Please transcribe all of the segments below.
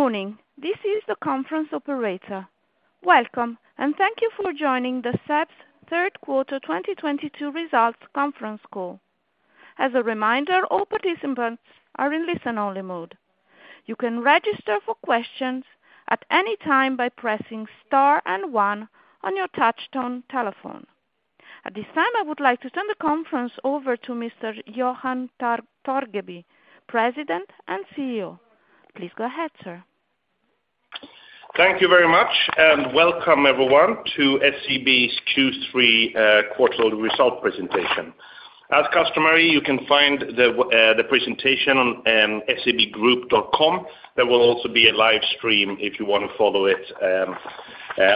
Good morning. This is the conference operator. Welcome, and thank you for joining SEB's third quarter 2022 results conference call. As a reminder, all participants are in listen-only mode. You can register for questions at any time by pressing star and one on your touchtone telephone. At this time, I would like to turn the conference over to Mr. Johan Torgeby, President and CEO. Please go ahead, sir. Thank you very much, and welcome everyone to SEB's Q3 quarterly results presentation. As customary, you can find the presentation on sebgroup.com. There will also be a live stream if you wanna follow it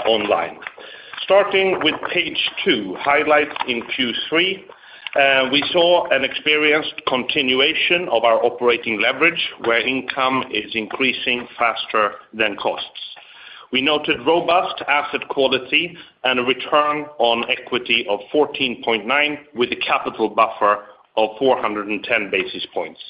online. Starting with page two, highlights in Q3, we experienced a continuation of our operating leverage where income is increasing faster than costs. We noted robust asset quality and a return on equity of 14.9% with a capital buffer of 410 basis points.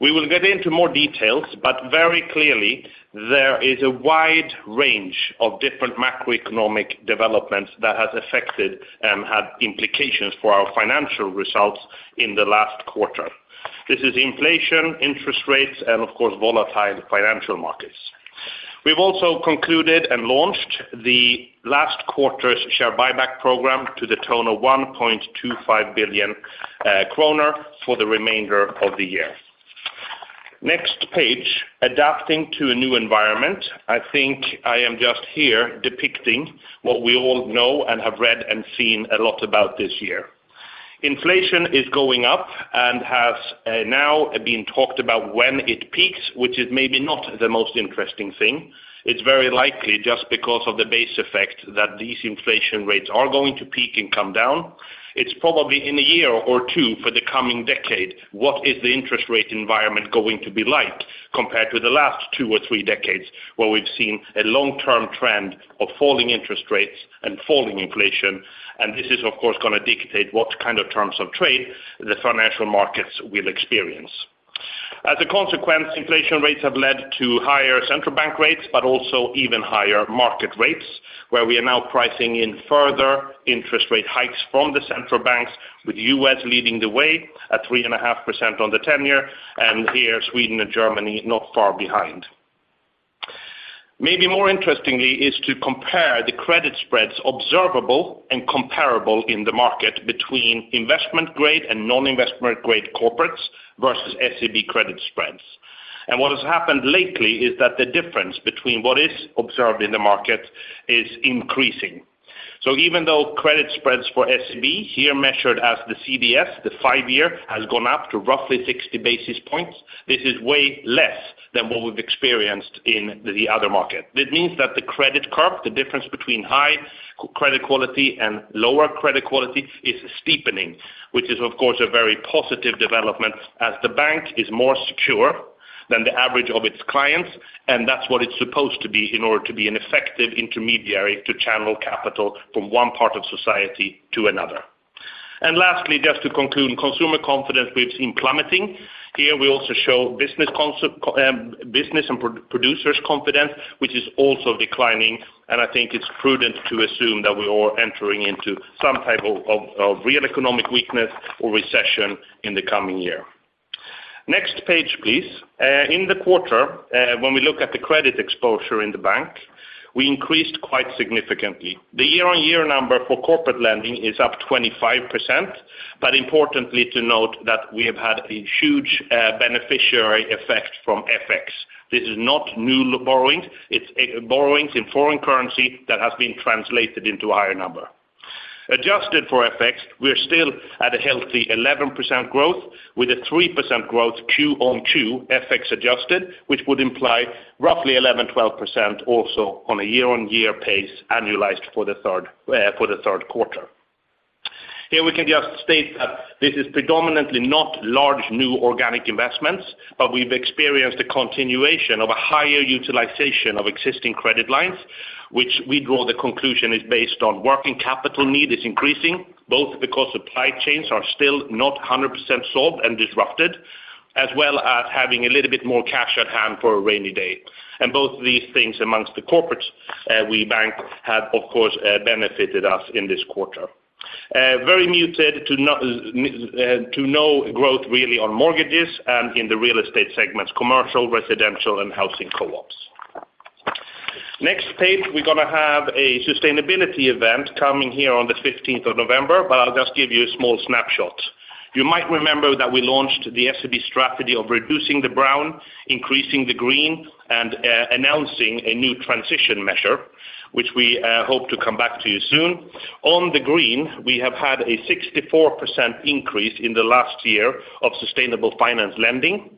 We will get into more details, but very clearly, there is a wide range of different macroeconomic developments that has affected and had implications for our financial results in the last quarter. This is inflation, interest rates, and of course, volatile financial markets. We've also concluded and launched the last quarter's share buyback program to the tune of 1.25 billion kronor for the remainder of the year. Next page, adapting to a new environment. I think I am just here depicting what we all know and have read and seen a lot about this year. Inflation is going up and has now been talked about when it peaks, which is maybe not the most interesting thing. It's very likely just because of the base effect that these inflation rates are going to peak and come down. It's probably in a year or two for the coming decade, what is the interest rate environment going to be like compared to the last two or three decades, where we've seen a long-term trend of falling interest rates and falling inflation, and this is of course gonna dictate what kind of terms of trade the financial markets will experience. As a consequence, inflation rates have led to higher central bank rates, but also even higher market rates, where we are now pricing in further interest rate hikes from the central banks with U.S. leading the way at 3.5% on the 10-year, and here Sweden and Germany not far behind. Maybe more interestingly is to compare the credit spreads observable and comparable in the market between investment grade and non-investment grade corporates versus SEB credit spreads. What has happened lately is that the difference between what is observed in the market is increasing. Even though credit spreads for SEB, here measured as the CDS, the five-year, has gone up to roughly 60 basis points, this is way less than what we've experienced in the other market. This means that the credit curve, the difference between high credit quality and lower credit quality is steepening, which is of course a very positive development as the bank is more secure than the average of its clients, and that's what it's supposed to be in order to be an effective intermediary to channel capital from one part of society to another. Lastly, just to conclude, consumer confidence we've seen plummeting. Here we also show business and producers' confidence, which is also declining, and I think it's prudent to assume that we are entering into some type of real economic weakness or recession in the coming year. Next page, please. In the quarter, when we look at the credit exposure in the bank, we increased quite significantly. The year-on-year number for corporate lending is up 25%, but importantly to note that we have had a huge beneficial effect from FX. This is not new borrowings, it's borrowings in foreign currency that has been translated into a higher number. Adjusted for FX, we're still at a healthy 11% growth with a 3% growth quarter-on-quarter FX adjusted, which would imply roughly 11%-12% also on a year-on-year pace annualized for the third quarter. Here we can just state that this is predominantly not large new organic investments, but we've experienced a continuation of a higher utilization of existing credit lines, which we draw the conclusion is based on working capital need is increasing, both because supply chains are still not 100% solved and disrupted, as well as having a little bit more cash at hand for a rainy day. Both of these things amongst the corporates we bank have, of course, benefited us in this quarter. Very muted to no growth really on mortgages and in the real estate segments, commercial, residential, and housing co-ops. Next page, we're gonna have a sustainability event coming here on the fifteenth of November, but I'll just give you a small snapshot. You might remember that we launched the SEB strategy of reducing the brown, increasing the green, and announcing a new transition measure, which we hope to come back to you soon. On the green, we have had a 64% increase in the last year of sustainable finance lending.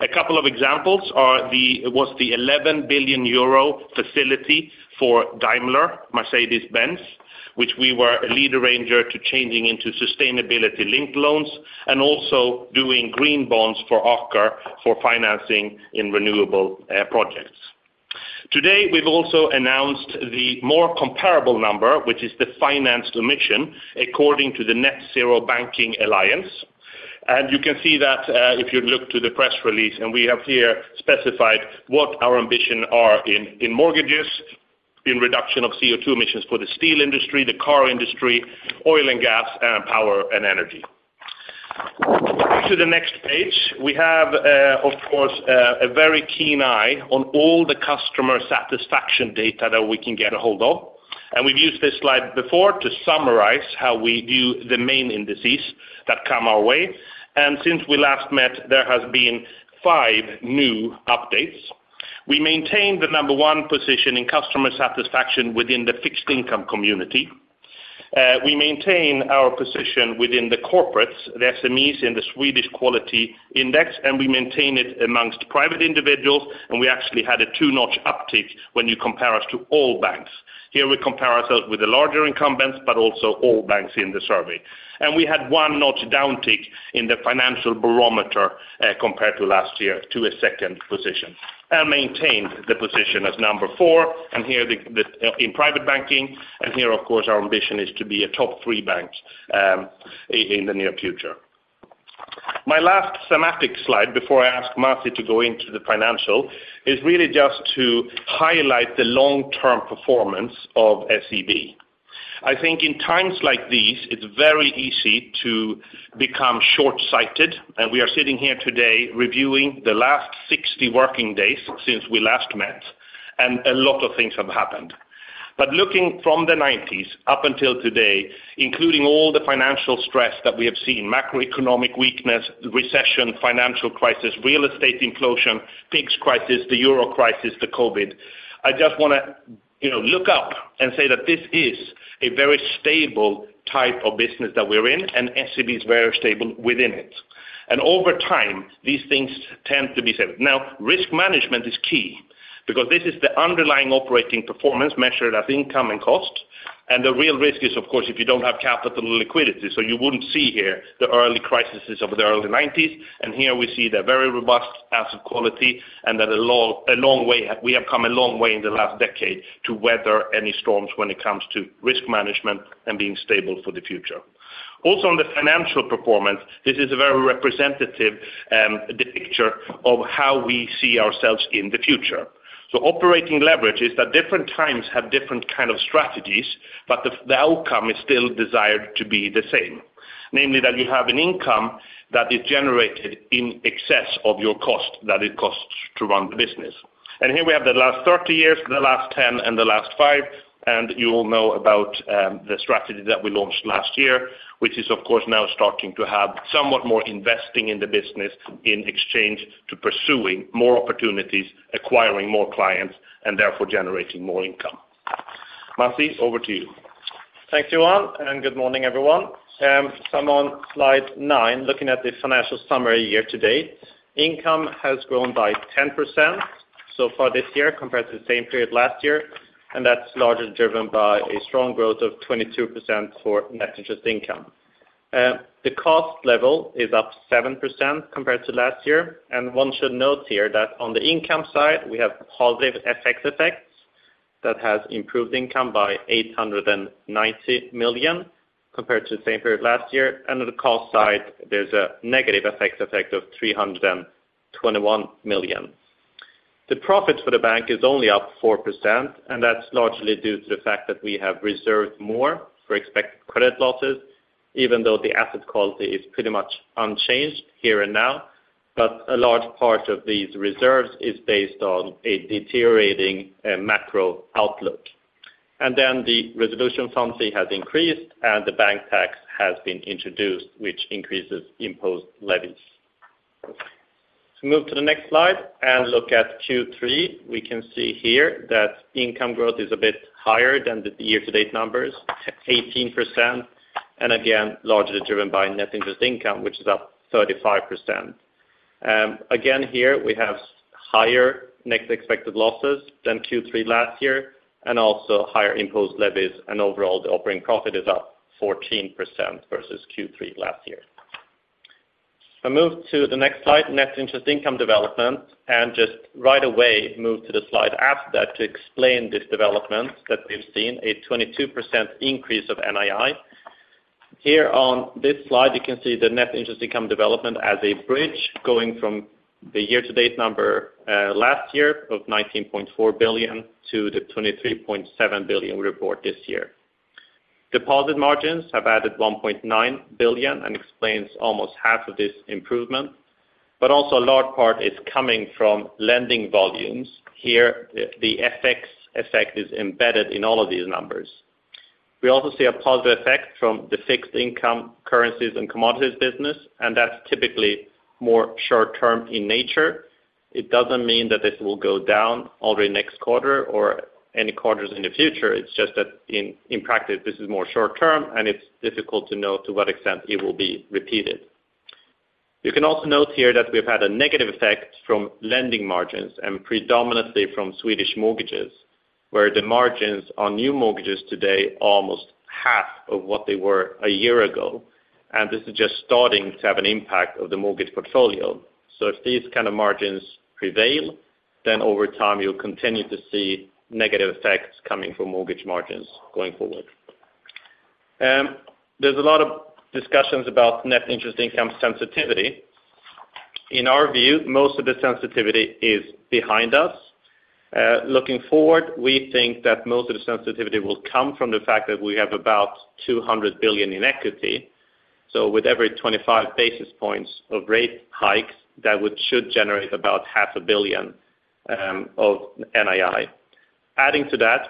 A couple of examples are the 11 billion euro facility for Daimler, Mercedes-Benz, which we were a lead arranger to changing into sustainability-linked loans, and also doing green bonds for Aker for financing in renewable projects. Today, we've also announced the more comparable number, which is the financed emissions according to the Net-Zero Banking Alliance. You can see that, if you look to the press release, and we have here specified what our ambition are in mortgages, in reduction of CO₂ emissions for the steel industry, the car industry, oil and gas, and power and energy. To the next page, we have, of course, a very keen eye on all the customer satisfaction data that we can get a hold of. We've used this slide before to summarize how we view the main indices that come our way. Since we last met, there has been five new updates. We maintained the number one position in customer satisfaction within the fixed income community. We maintain our position within the corporates, the SMEs in the Swedish Quality Index, and we maintain it amongst private individuals, and we actually had a two-notch uptick when you compare us to all banks. Here we compare ourselves with the larger incumbents, but also all banks in the survey. We had one notch downtick in the financial barometer, compared to last year to a second position, maintained the position as number four. Here in private banking, and here, of course, our ambition is to be a top three bank in the near future. My last thematic slide before I ask Masih to go into the financial is really just to highlight the long-term performance of SEB. I think in times like these, it's very easy to become short-sighted, and we are sitting here today reviewing the last 60 working days since we last met, and a lot of things have happened. Looking from the nineties up until today, including all the financial stress that we have seen, macroeconomic weakness, recession, financial crisis, real estate implosion, PIIGS crisis, the Euro crisis, the COVID. I just wanna, you know, look up and say that this is a very stable type of business that we're in, and SEB is very stable within it. Over time, these things tend to be same. Now, risk management is key because this is the underlying operating performance measured at income and cost. The real risk is, of course, if you don't have capital liquidity. You wouldn't see here the early crises of the early nineties. Here we see the very robust asset quality and that we have come a long way in the last decade to weather any storms when it comes to risk management and being stable for the future. Also on the financial performance, this is a very representative picture of how we see ourselves in the future. Operating leverage is that different times have different kind of strategies, but the outcome is still desired to be the same. Namely, that you have an income that is generated in excess of your cost, that it costs to run the business. Here we have the last 30 years, the last 10, and the last five. You all know about the strategy that we launched last year, which is of course now starting to have somewhat more investing in the business in exchange to pursuing more opportunities, acquiring more clients, and therefore generating more income. Masih, over to you. Thank you, Johan, and good morning, everyone. I'm on slide nine, looking at the financial summary year-to-date. Income has grown by 10% so far this year compared to the same period last year, and that's largely driven by a strong growth of 22% for net interest income. The cost level is up 7% compared to last year, and one should note here that on the income side, we have positive FX effects that has improved income by 890 million compared to the same period last year. On the cost side, there's a negative FX effect of 321 million. The profit for the bank is only up 4%, and that's largely due to the fact that we have reserved more for expected credit losses, even though the asset quality is pretty much unchanged here and now. A large part of these reserves is based on a deteriorating macro outlook. The resolution fund fee has increased, and the bank tax has been introduced, which increases imposed levies. To move to the next slide and look at Q3, we can see here that income growth is a bit higher than the year-to-date numbers, 18%, and again, largely driven by net interest income, which is up 35%. Again, here we have higher net expected losses than Q3 last year and also higher imposed levies. Overall, the operating profit is up 14% versus Q3 last year. I move to the next slide, net interest income development, and just right away move to the slide after that to explain this development that we've seen, a 22% increase of NII. Here on this slide, you can see the net interest income development as a bridge going from the year-to-date number last year of 19.4 billion to the 23.7 billion we report this year. Deposit margins have added 1.9 billion and explains almost half of this improvement, but also a large part is coming from lending volumes. Here, the FX effect is embedded in all of these numbers. We also see a positive effect from the fixed income currencies and commodities business, and that's typically more short term in nature. It doesn't mean that this will go down already next quarter or any quarters in the future. It's just that in practice, this is more short term, and it's difficult to know to what extent it will be repeated. You can also note here that we've had a negative effect from lending margins and predominantly from Swedish mortgages, where the margins on new mortgages today are almost half of what they were a year ago, and this is just starting to have an impact on the mortgage portfolio. If these kind of margins prevail, then over time you'll continue to see negative effects coming from mortgage margins going forward. There's a lot of discussions about net interest income sensitivity. In our view, most of the sensitivity is behind us. Looking forward, we think that most of the sensitivity will come from the fact that we have about 200 billion in equity. With every 25 basis points of rate hikes, that should generate about half a billion of NII.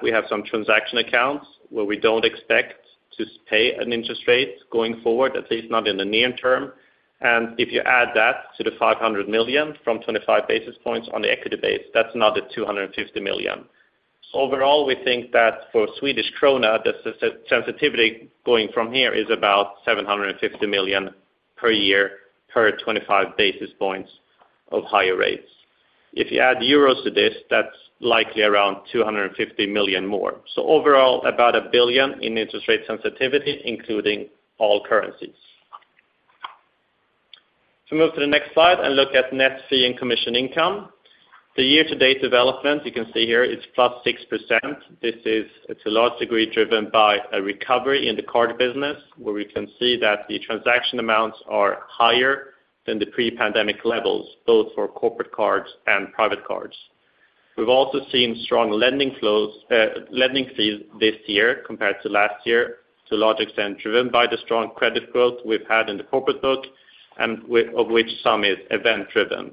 We have some transaction accounts where we don't expect to pay an interest rate going forward, at least not in the near term. If you add that to the 500 million from 25 basis points on the equity base, that's another 250 million. Overall, we think that for Swedish krona, the sensitivity going from here is about 750 million per year per 25 basis points of higher rates. If you add euros to this, that's likely around 250 million more. Overall, about 1 billion in interest rate sensitivity, including all currencies. To move to the next slide and look at net fee and commission income. The year-to-date development, you can see here, is +6%. This is to a large degree driven by a recovery in the card business, where we can see that the transaction amounts are higher than the pre-pandemic levels, both for corporate cards and private cards. We've also seen strong lending flows, lending fees this year compared to last year, to a large extent driven by the strong credit growth we've had in the corporate book, and of which some is event-driven.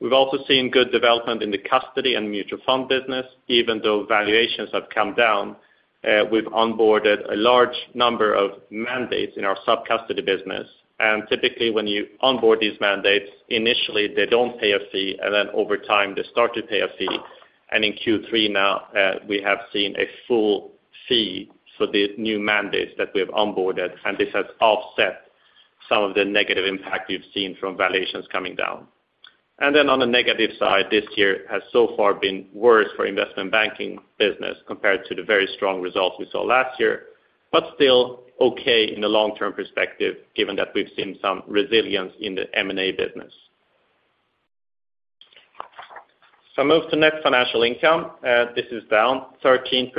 We've also seen good development in the custody and mutual fund business, even though valuations have come down. We've onboarded a large number of mandates in our sub-custody business, and typically when you onboard these mandates, initially they don't pay a fee, and then over time, they start to pay a fee. In Q3 now, we have seen a full fee for the new mandates that we've onboarded, and this has offset some of the negative impact we've seen from valuations coming down. On the negative side, this year has so far been worse for investment banking business compared to the very strong results we saw last year, but still okay in the long-term perspective given that we've seen some resilience in the M&A business. Move to net financial income. This is down 13%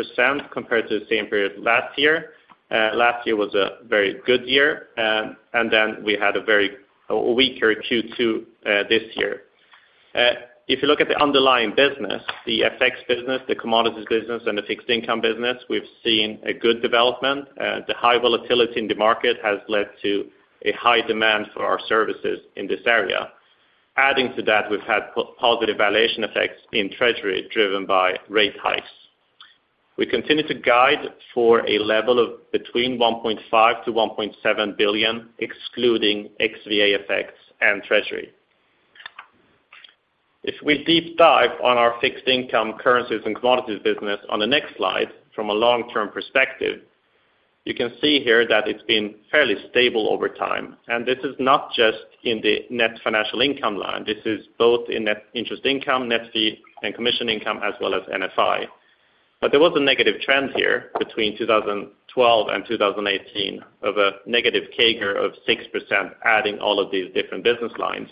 compared to the same period last year. Last year was a very good year, and then we had a weaker Q2 this year. If you look at the underlying business, the FX business, the commodities business, and the fixed income business, we've seen a good development. The high volatility in the market has led to a high demand for our services in this area. Adding to that, we've had positive valuation effects in treasury driven by rate hikes. We continue to guide for a level of between 1.5 billion-1.7 billion excluding XVA effects and treasury. If we deep dive on our fixed income currencies and commodities business on the next slide from a long-term perspective, you can see here that it's been fairly stable over time. This is not just in the net financial income line. This is both in net interest income, net fee and commission income, as well as NFI. There was a negative trend here between 2012 and 2018 of a negative CAGR of 6% adding all of these different business lines.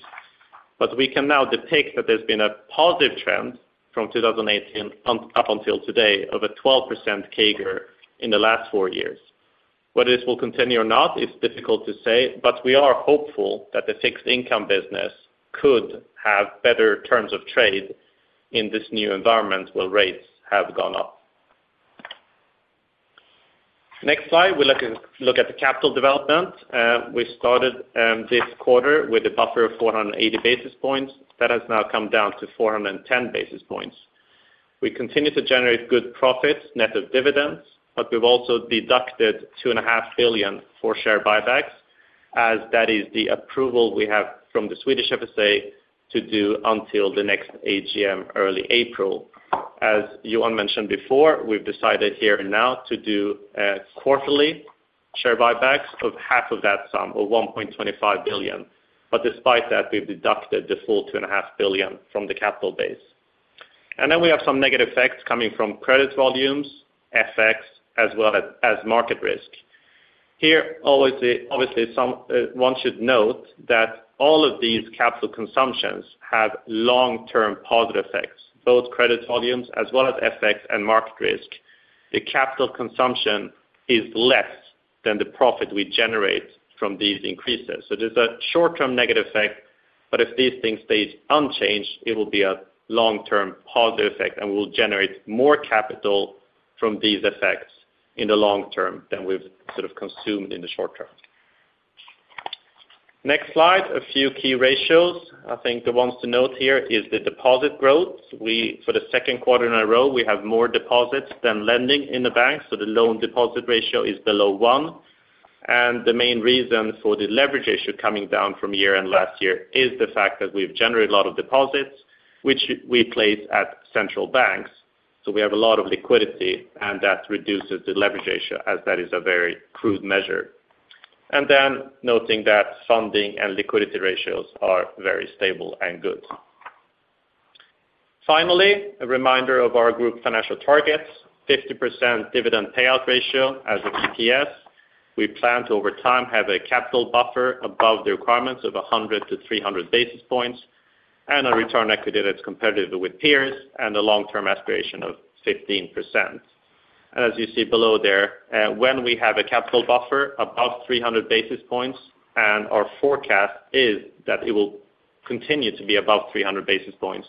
We can now detect that there's been a positive trend from 2018 up until today of a 12% CAGR in the last four years. Whether this will continue or not is difficult to say, but we are hopeful that the fixed income business could have better terms of trade in this new environment where rates have gone up. Next slide, we'll look at the capital development. We started this quarter with a buffer of 480 basis points. That has now come down to 410 basis points. We continue to generate good profits net of dividends, but we've also deducted 2.5 billion for share buybacks, as that is the approval we have from the Swedish FSA to do until the next AGM early April. As Johan mentioned before, we've decided here and now to do quarterly share buybacks of half of that sum, or 1.25 billion. Despite that, we've deducted the full 2.5 billion from the capital base. Then we have some negative effects coming from credit volumes, FX, as well as market risk. Here, as always, obviously, one should note that all of these capital consumptions have long-term positive effects, both credit volumes as well as FX and market risk. The capital consumption is less than the profit we generate from these increases. There's a short-term negative effect, but if these things stay unchanged, it will be a long-term positive effect, and we'll generate more capital from these effects in the long term than we've sort of consumed in the short term. Next slide, a few key ratios. I think the ones to note here is the deposit growth. We, for the second quarter in a row, we have more deposits than lending in the bank, so the loan deposit ratio is below one. The main reason for the leverage ratio coming down from year-end last year is the fact that we've generated a lot of deposits, which we place at central banks, so we have a lot of liquidity, and that reduces the leverage ratio as that is a very crude measure. Noting that funding and liquidity ratios are very stable and good. Finally, a reminder of our group financial targets, 50% dividend payout ratio as of GPS. We plan to over time have a capital buffer above the requirements of 100-300 basis points, and a return equity that's competitive with peers and a long-term aspiration of 15%. As you see below there, when we have a capital buffer above 300 basis points, and our forecast is that it will continue to be above 300 basis points,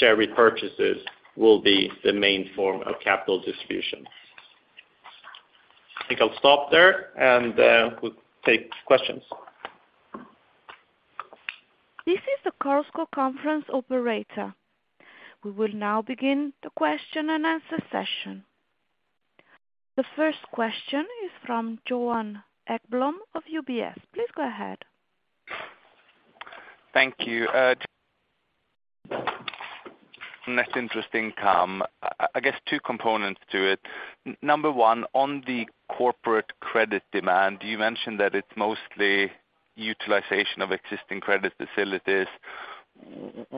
share repurchases will be the main form of capital distribution. I think I'll stop there and we'll take questions. This is the Chorus Call Conference operator. We will now begin the question and answer session. The first question is from Johan Ekblom of UBS. Please go ahead. Thank you. Net interest income, I guess two components to it. Number one, on the corporate credit demand, you mentioned that it's mostly utilization of existing credit facilities.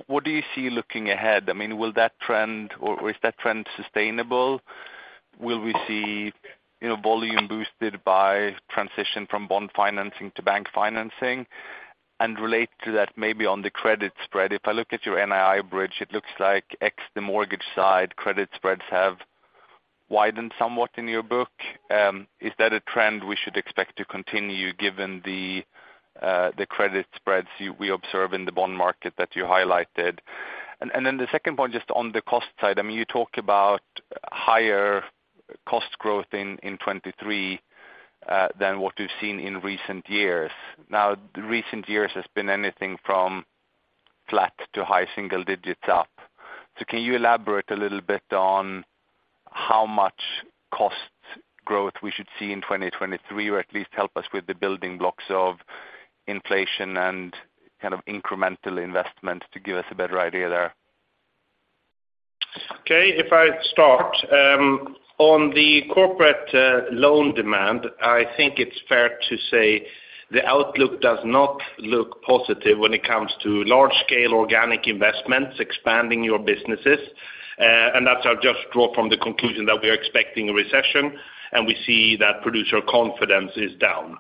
What do you see looking ahead? I mean, will that trend or is that trend sustainable? Will we see, you know, volume boosted by transition from bond financing to bank financing? Relate to that, maybe on the credit spread, if I look at your NII bridge, it looks like ex the mortgage side, credit spreads have widened somewhat in your book. Is that a trend we should expect to continue given the credit spreads you observe in the bond market that you highlighted? And then the second point, just on the cost side, I mean, you talk about higher cost growth in 2023 than what we've seen in recent years. Now, recent years has been anything from flat to high single digits up. Can you elaborate a little bit on how much cost growth we should see in 2023, or at least help us with the building blocks of inflation and kind of incremental investment to give us a better idea there? Okay. If I start on the corporate loan demand, I think it's fair to say the outlook does not look positive when it comes to large scale organic investments expanding your businesses. That's just how we draw the conclusion that we are expecting a recession, and we see that producer confidence is down.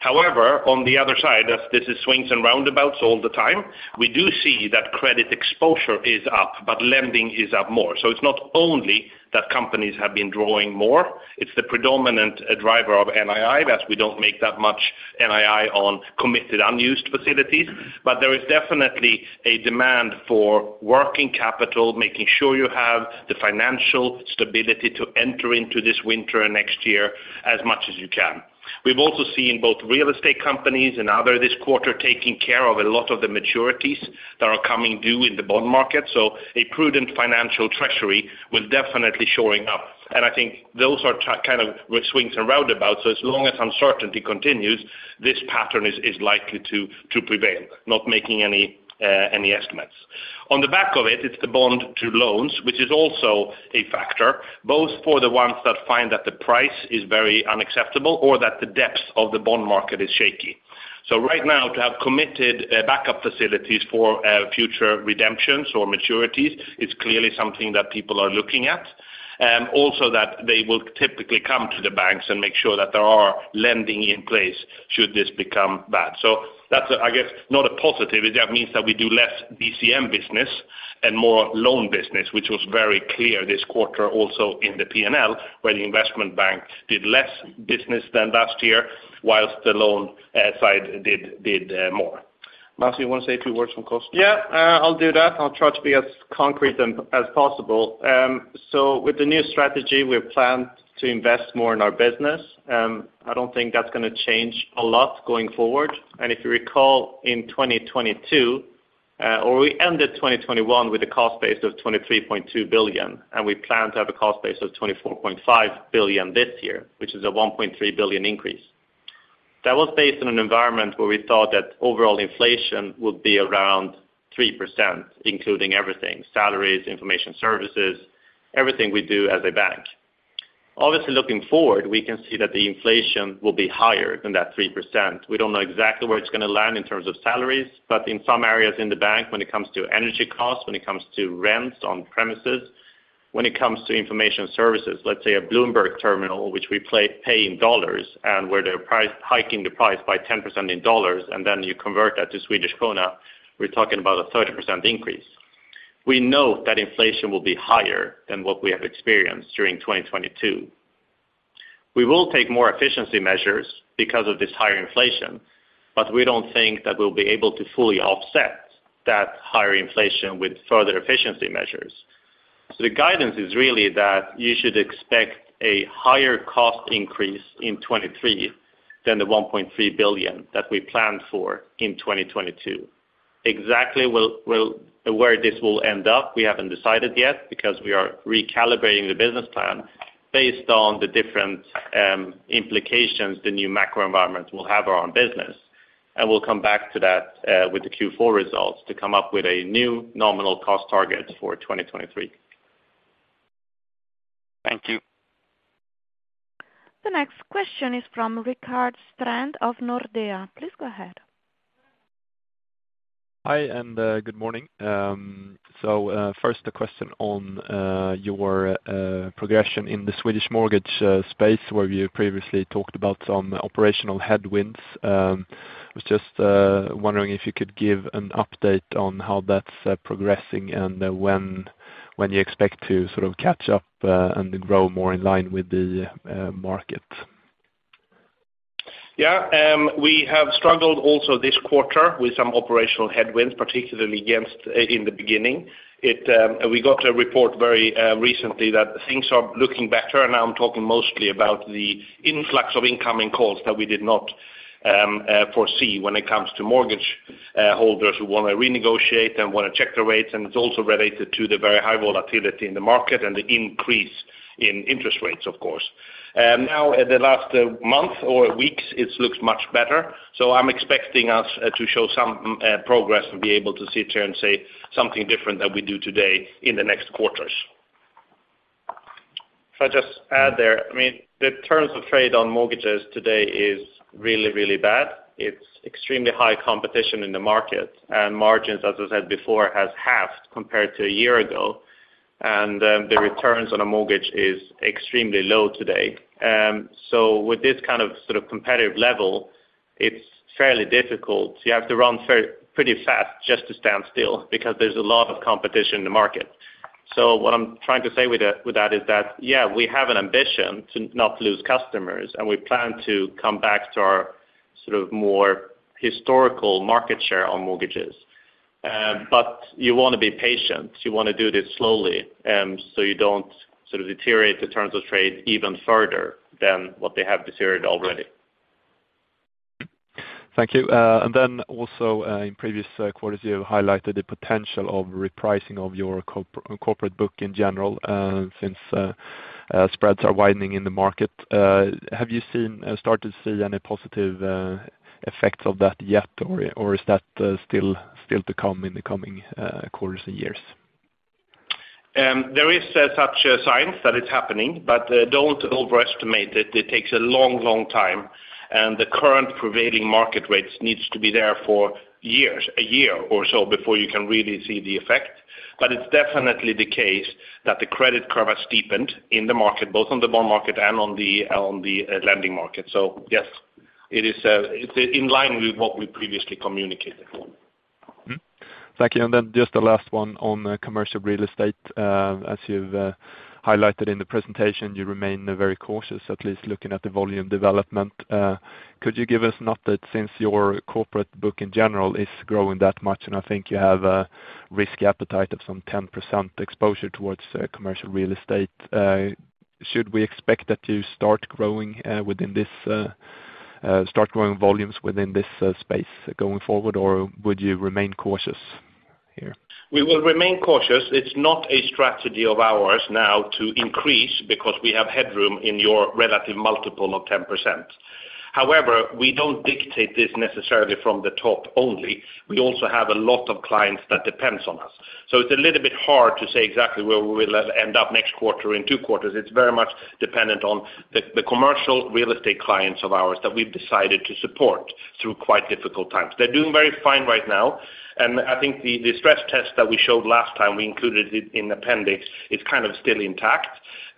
However, on the other side, as this is swings and roundabouts all the time, we do see that credit exposure is up, but lending is up more. It's not only that companies have been drawing more, it's the predominant driver of NII, that we don't make that much NII on committed unused facilities. There is definitely a demand for working capital, making sure you have the financial stability to enter into this winter and next year as much as you can. We've also seen both real estate companies and other this quarter taking care of a lot of the maturities that are coming due in the bond market. A prudent financial treasury will definitely shoring up. I think those are kind of with swings and roundabouts. As long as uncertainty continues, this pattern is likely to prevail, not making any estimates. On the back of it's the bond to loans, which is also a factor, both for the ones that find that the price is very unattractive or that the depth of the bond market is shaky. Right now to have committed backup facilities for future redemptions or maturities, it's clearly something that people are looking at. Also that they will typically come to the banks and make sure that there are lending in place should this become bad. That's, I guess, not a positive. It just means that we do less DCM business and more loan business, which was very clear this quarter also in the P&L, where the investment bank did less business than last year while the loan side did more. Masih, you wanna say a few words on cost? Yeah, I'll do that. I'll try to be as concrete as possible. With the new strategy, we plan to invest more in our business. I don't think that's gonna change a lot going forward. If you recall, we ended 2021 with a cost base of 23.2 billion, and we plan to have a cost base of 24.5 billion this year, which is a 1.3 billion increase. That was based on an environment where we thought that overall inflation would be around 3%, including everything, salaries, information services, everything we do as a bank. Obviously, looking forward, we can see that the inflation will be higher than that 3%. We don't know exactly where it's gonna land in terms of salaries, but in some areas in the bank when it comes to energy costs, when it comes to rents on premises, when it comes to information services. Let's say a Bloomberg Terminal, which we prepay in dollars and where they're price-hiking the price by 10% in dollars, and then you convert that to Swedish krona, we're talking about a 30% increase. We know that inflation will be higher than what we have experienced during 2022. We will take more efficiency measures because of this higher inflation, but we don't think that we'll be able to fully offset that higher inflation with further efficiency measures. The guidance is really that you should expect a higher cost increase in 2023 than the 1.3 billion that we planned for in 2022. Exactly where this will end up, we haven't decided yet because we are recalibrating the business plan based on the different implications the new macro environment will have on business. We'll come back to that with the Q4 results to come up with a new nominal cost target for 2023. Thank you. The next question is from Rickard Strand of Nordea. Please go ahead. Hi, good morning. First the question on your progression in the Swedish mortgage space where you previously talked about some operational headwinds. Was just wondering if you could give an update on how that's progressing and when you expect to sort of catch up and grow more in line with the market. Yeah. We have struggled also this quarter with some operational headwinds, particularly in the beginning. We got a report very recently that things are looking better. I'm talking mostly about the influx of incoming calls that we did not foresee when it comes to mortgage holders who wanna renegotiate and wanna check their rates. It's also related to the very high volatility in the market and the increase in interest rates, of course. Now in the last month or weeks, it looks much better. I'm expecting us to show some progress and be able to sit here and say something different than we do today in the next quarters. If I just add there, I mean, the terms of trade on mortgages today is really, really bad. It's extremely high competition in the market and margins, as I said before, has halved compared to a year ago. The returns on a mortgage is extremely low today. With this kind of, sort of competitive level, it's fairly difficult. You have to run pretty fast just to stand still because there's a lot of competition in the market. What I'm trying to say with that is that, yeah, we have an ambition to not lose customers, and we plan to come back to our sort of more historical market share on mortgages. You wanna be patient, you wanna do this slowly, so you don't sort of deteriorate the terms of trade even further than what they have deteriorated already. Thank you. Also, in previous quarters, you highlighted the potential of repricing of your corporate book in general, since spreads are widening in the market. Have you started to see any positive effects of that yet, or is that still to come in the coming quarters and years? There is such a sense that it's happening, but don't overestimate it. It takes a long time, and the current prevailing market rates needs to be there for years, a year or so before you can really see the effect. It's definitely the case that the credit curve has deepened in the market, both on the bond market and on the lending market. Yes, it is in line with what we previously communicated. Mm-hmm. Thank you. Just the last one on the commercial real estate. As you've highlighted in the presentation, you remain very cautious, at least looking at the volume development. Could you give us an update since your corporate book in general is growing that much, and I think you have a risk appetite of some 10% exposure towards commercial real estate. Should we expect that you start growing volumes within this space going forward, or would you remain cautious here? We will remain cautious. It's not a strategy of ours now to increase because we have headroom in your relative multiple of 10%. However, we don't dictate this necessarily from the top only. We also have a lot of clients that depends on us. It's a little bit hard to say exactly where we will end up next quarter or in two quarters. It's very much dependent on the commercial real estate clients of ours that we've decided to support through quite difficult times. They're doing very fine right now, and I think the stress test that we showed last time we included it in appendix is kind of still intact.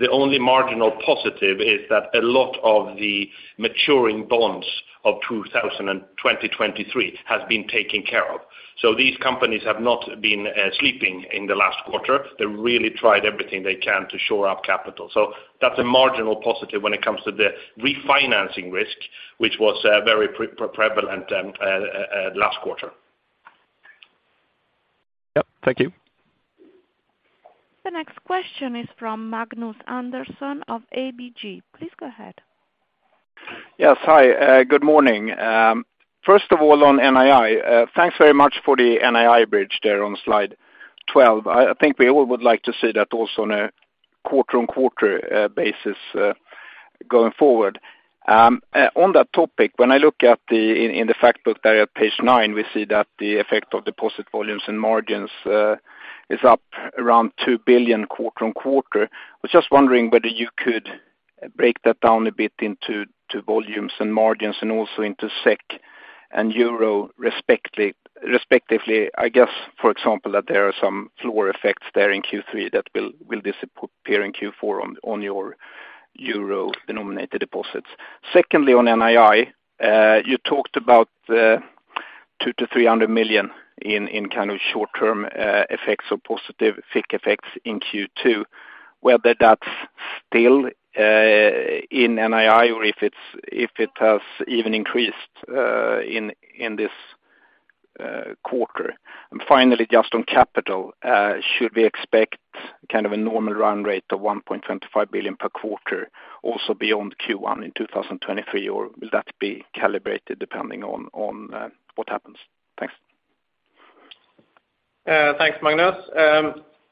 The only marginal positive is that a lot of the maturing bonds of 2023 has been taken care of. These companies have not been sleeping in the last quarter. They really tried everything they can to shore up capital. That's a marginal positive when it comes to the refinancing risk, which was very prevalent last quarter. Yep. Thank you. The next question is from Magnus Andersson of ABG. Please go ahead. Yes. Hi. Good morning. First of all, on NII, thanks very much for the NII bridge there on slide 12. I think we all would like to see that also on a quarter-on-quarter basis, going forward. On that topic, when I look at the fact book there at page nine, we see that the effect of deposit volumes and margins is up around 2 billion quarter-on-quarter. I was just wondering whether you could break that down a bit into volumes and margins and also into SEK and euro respectively. I guess, for example, that there are some floor effects there in Q3 that will disappear in Q4 on your euro-denominated deposits. Secondly, on NII, you talked about 200-300 million in kind of short-term effects or positive FICC effects in Q2, whether that's still in NII or if it has even increased in this quarter. Finally, just on capital, should we expect kind of a normal run rate of 1.25 billion per quarter also beyond Q1 in 2023, or will that be calibrated depending on what happens? Thanks. Thanks, Magnus.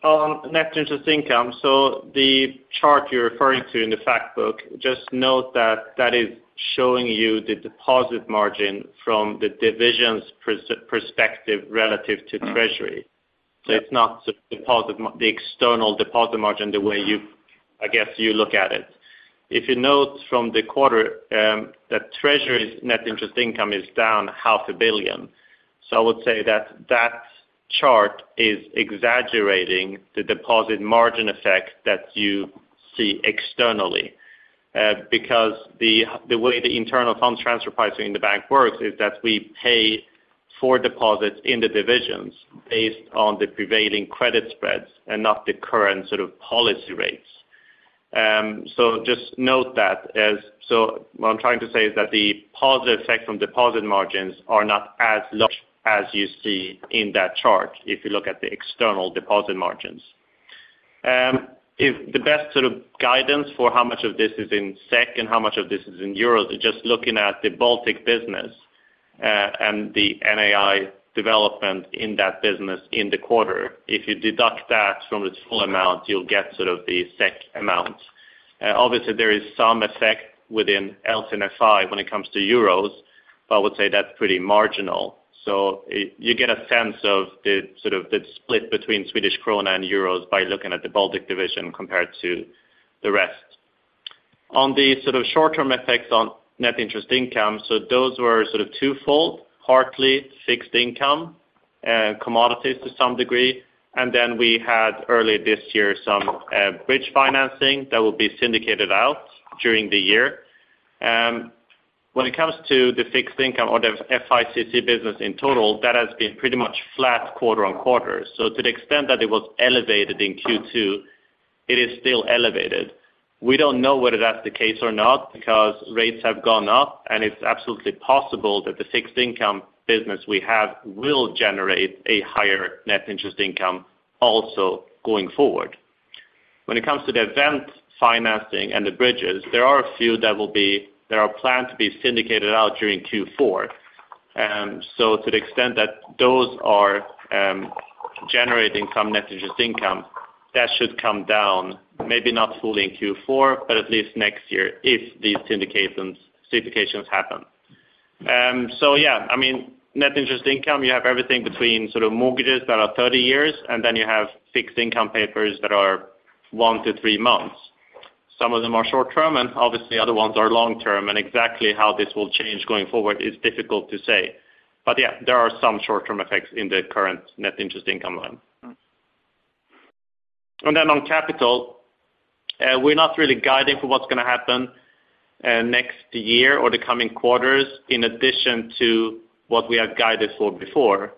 On net interest income, the chart you're referring to in the fact book, just note that that is showing you the deposit margin from the division's perspective relative to treasury. It's not the external deposit margin the way you—I guess you look at it. If you note from the quarter, that treasury's net interest income is down half a billion. I would say that that chart is exaggerating the deposit margin effect that you see externally. Because the way the internal funds transfer pricing in the bank works is that we pay for deposits in the divisions based on the prevailing credit spreads and not the current sort of policy rates. Just note that as... What I'm trying to say is that the positive effect from deposit margins are not as large as you see in that chart if you look at the external deposit margins. If the best sort of guidance for how much of this is in SEK and how much of this is in euros is just looking at the Baltic business, and the NII development in that business in the quarter. If you deduct that from its full amount, you'll get sort of the SEK amount. Obviously there is some effect within LC&FI when it comes to euros, but I would say that's pretty marginal. You get a sense of the sort of the split between Swedish krona and euros by looking at the Baltic division compared to the rest. On the sort of short-term effects on net interest income, those were sort of twofold, partly fixed income and commodities to some degree. Then we had earlier this year some bridge financing that will be syndicated out during the year. When it comes to the fixed income or the FICC business in total, that has been pretty much flat quarter on quarter. To the extent that it was elevated in Q2, it is still elevated. We don't know whether that's the case or not because rates have gone up, and it's absolutely possible that the fixed income business we have will generate a higher net interest income also going forward. When it comes to the event financing and the bridges, there are a few that will be. They are planned to be syndicated out during Q4. To the extent that those are generating some net interest income, that should come down, maybe not fully in Q4, but at least next year if these syndications happen. Yeah, I mean, net interest income, you have everything between sort of mortgages that are 30 years, and then you have fixed income papers that are one to three months. Some of them are short-term, and obviously other ones are long-term. Exactly how this will change going forward is difficult to say. Yeah, there are some short-term effects in the current net interest income line. On capital, we're not really guiding for what's gonna happen next year or the coming quarters in addition to what we have guided for before,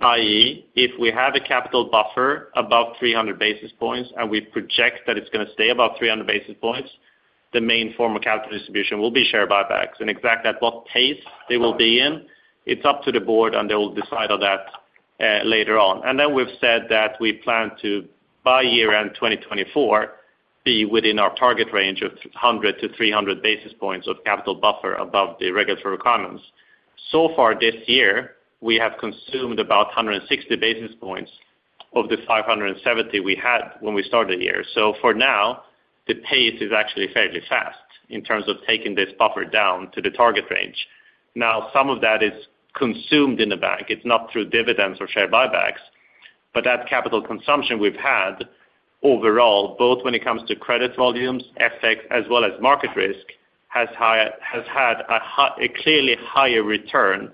i.e., if we have a capital buffer above 300 basis points and we project that it's gonna stay above 300 basis points, the main form of capital distribution will be share buybacks. Exactly at what pace they will be in, it's up to the Board, and they will decide on that later on. We've said that we plan to, by year-end 2024, be within our target range of 100 to 300 basis points of capital buffer above the regulatory requirements. So far this year, we have consumed about 160 basis points of the 570 we had when we started the year. For now, the pace is actually fairly fast in terms of taking this buffer down to the target range. Now, some of that is consumed in the bank. It's not through dividends or share buybacks. That capital consumption we've had overall, both when it comes to credit volumes, FX, as well as market risk, has had a clearly higher return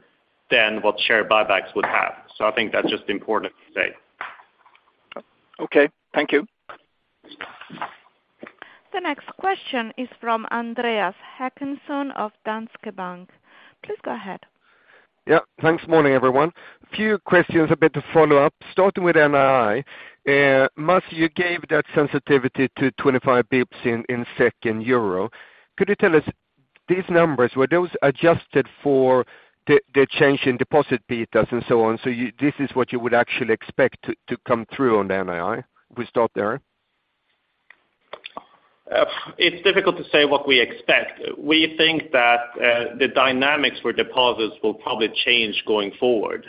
than what share buybacks would have. I think that's just important to say. Okay. Thank you. The next question is from Andreas Håkansson of Danske Bank. Please go ahead. Thanks. Morning, everyone. Few questions, a bit of follow-up, starting with NII. Masih, you gave that sensitivity to 25 basis points in SEK and euro. Could you tell us these numbers, were those adjusted for the change in deposit betas and so on? This is what you would actually expect to come through on NII? We start there. It's difficult to say what we expect. We think that the dynamics for deposits will probably change going forward.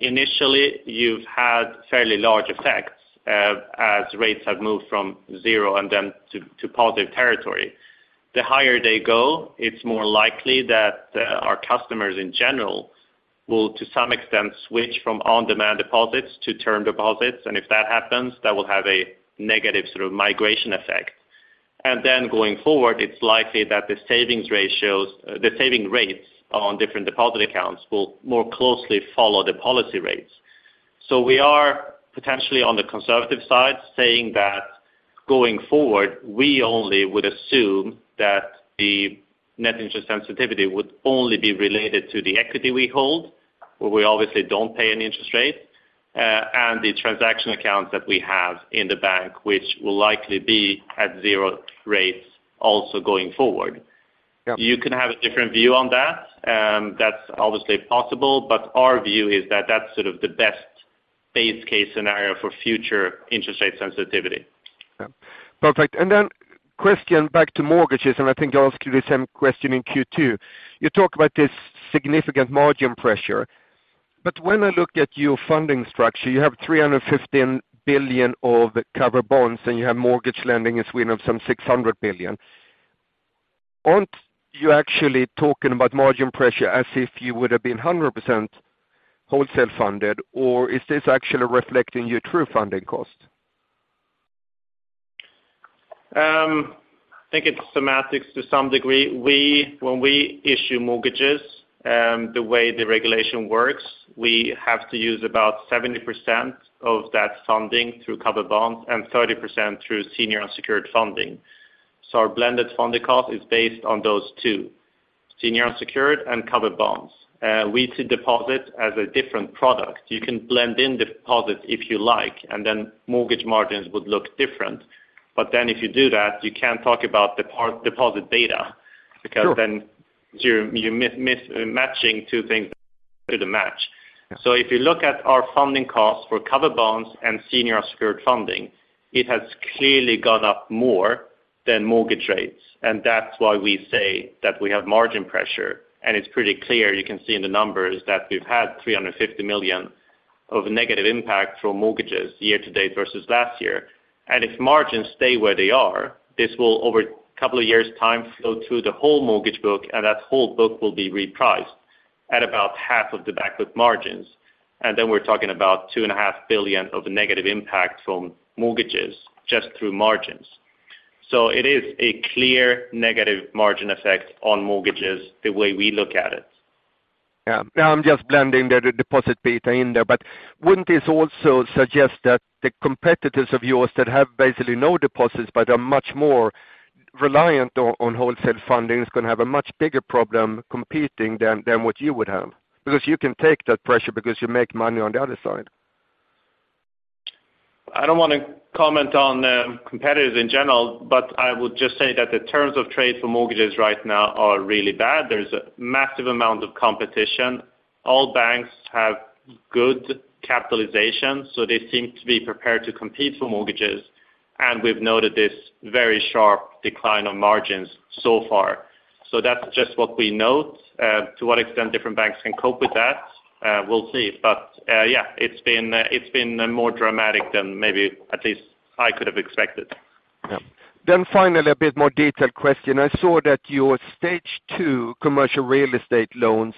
Initially, you've had fairly large effects as rates have moved from zero and then to positive territory. The higher they go, it's more likely that our customers in general will, to some extent, switch from on-demand deposits to term deposits. If that happens, that will have a negative sort of migration effect. Going forward, it's likely that the savings ratios, the saving rates on different deposit accounts will more closely follow the policy rates. We are potentially on the conservative side saying that going forward, we only would assume that the net interest sensitivity would only be related to the equity we hold, where we obviously don't pay any interest rate, and the transaction accounts that we have in the bank, which will likely be at zero rates also going forward. Yeah. You can have a different view on that's obviously possible. Our view is that that's sort of the best base case scenario for future interest rate sensitivity. Yeah. Perfect. Question back to mortgages, and I think I asked you the same question in Q2. You talk about this significant margin pressure. When I look at your funding structure, you have 315 billion of covered bonds, and you have mortgage lending is within of some 600 billion. Aren't you actually talking about margin pressure as if you would have been 100% wholesale funded? Or is this actually reflecting your true funding cost? I think it's semantics to some degree. When we issue mortgages, the way the regulation works, we have to use about 70% of that funding through covered bonds and 30% through senior unsecured funding. Our blended funding cost is based on those two, senior unsecured and covered bonds. We treat deposit as a different product. You can blend in deposits if you like, and then mortgage margins would look different. If you do that, you can talk about deposit beta, because then you're mismatching two things through the math. If you look at our funding costs for covered bonds and senior unsecured funding, it has clearly gone up more than mortgage rates. That's why we say that we have margin pressure. It's pretty clear you can see in the numbers that we've had 350 million of negative impact from mortgages year to date versus last year. If margins stay where they are, this will over a couple of years time flow through the whole mortgage book, and that whole book will be repriced at about half of the back book margins. Then we're talking about 2.5 billion of negative impact from mortgages just through margins. It is a clear negative margin effect on mortgages the way we look at it. Yeah. Now I'm just blending the deposit beta in there. Wouldn't this also suggest that the competitors of yours that have basically no deposits but are much more reliant on wholesale funding is gonna have a much bigger problem competing than what you would have? Because you can take that pressure because you make money on the other side. I don't wanna comment on competitors in general, but I would just say that the terms of trade for mortgages right now are really bad. There's a massive amount of competition. All banks have good capitalization, so they seem to be prepared to compete for mortgages. We've noted this very sharp decline on margins so far. That's just what we note. To what extent different banks can cope with that, we'll see. It's been more dramatic than maybe at least I could have expected. Yeah. Finally, a bit more detailed question. I saw that your stage two commercial real estate loans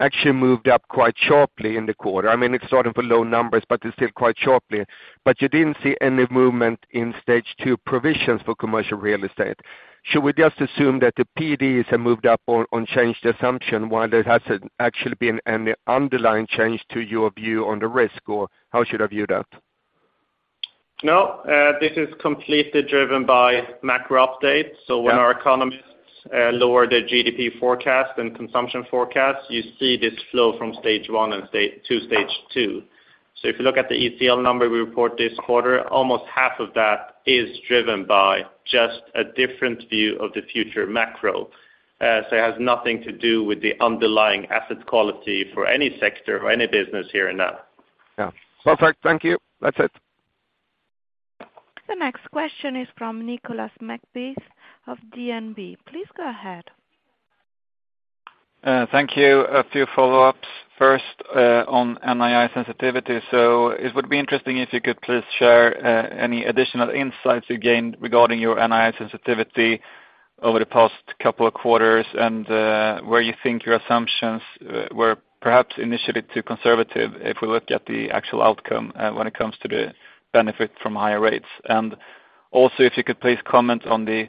actually moved up quite sharply in the quarter. I mean, it's starting from low numbers, but it's still quite sharply. But you didn't see any movement in stage two provisions for commercial real estate. Should we just assume that the PDs have moved up on changed assumption while there hasn't actually been any underlying change to your view on the risk, or how should I view that? No, this is completely driven by macro updates. When our economists lower the GDP forecast and consumption forecast, you see this flow from stage one to stage two. If you look at the ECL number we report this quarter, almost half of that is driven by just a different view of the future macro. It has nothing to do with the underlying asset quality for any sector or any business here and now. Yeah. Perfect. Thank you. That's it. The next question is from Nicolas McBeath of DNB. Please go ahead. Thank you. A few follow-ups. First, on NII sensitivity. It would be interesting if you could please share any additional insights you gained regarding your NII sensitivity over the past couple of quarters and where you think your assumptions were perhaps initially too conservative if we look at the actual outcome when it comes to the benefit from higher rates. Also if you could please comment on the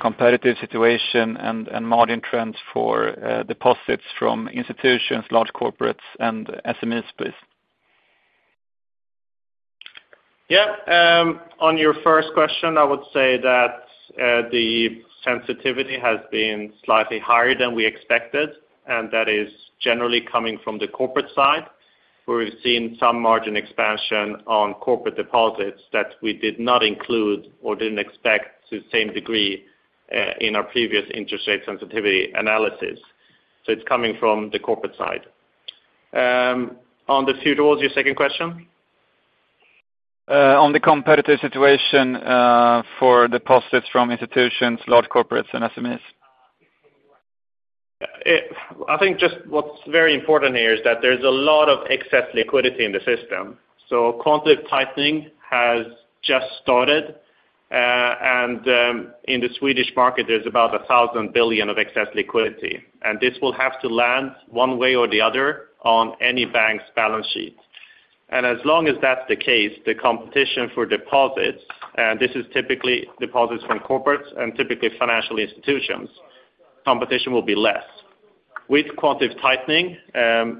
competitive situation and margin trends for deposits from institutions, large corporates and SMEs, please. Yeah. On your first question, I would say that, the sensitivity has been slightly higher than we expected, and that is generally coming from the corporate side, where we've seen some margin expansion on corporate deposits that we did not include or didn't expect to the same degree, in our previous interest rate sensitivity analysis. It's coming from the corporate side. On the second question? On the competitive situation for deposits from institutions, large corporates and SMEs. I think just what's very important here is that there's a lot of excess liquidity in the system. Quantitative tightening has just started, and in the Swedish market, there's about 1,000 billion of excess liquidity, and this will have to land one way or the other on any bank's balance sheet. As long as that's the case, the competition for deposits, and this is typically deposits from corporates and typically financial institutions, competition will be less. With quantitative tightening,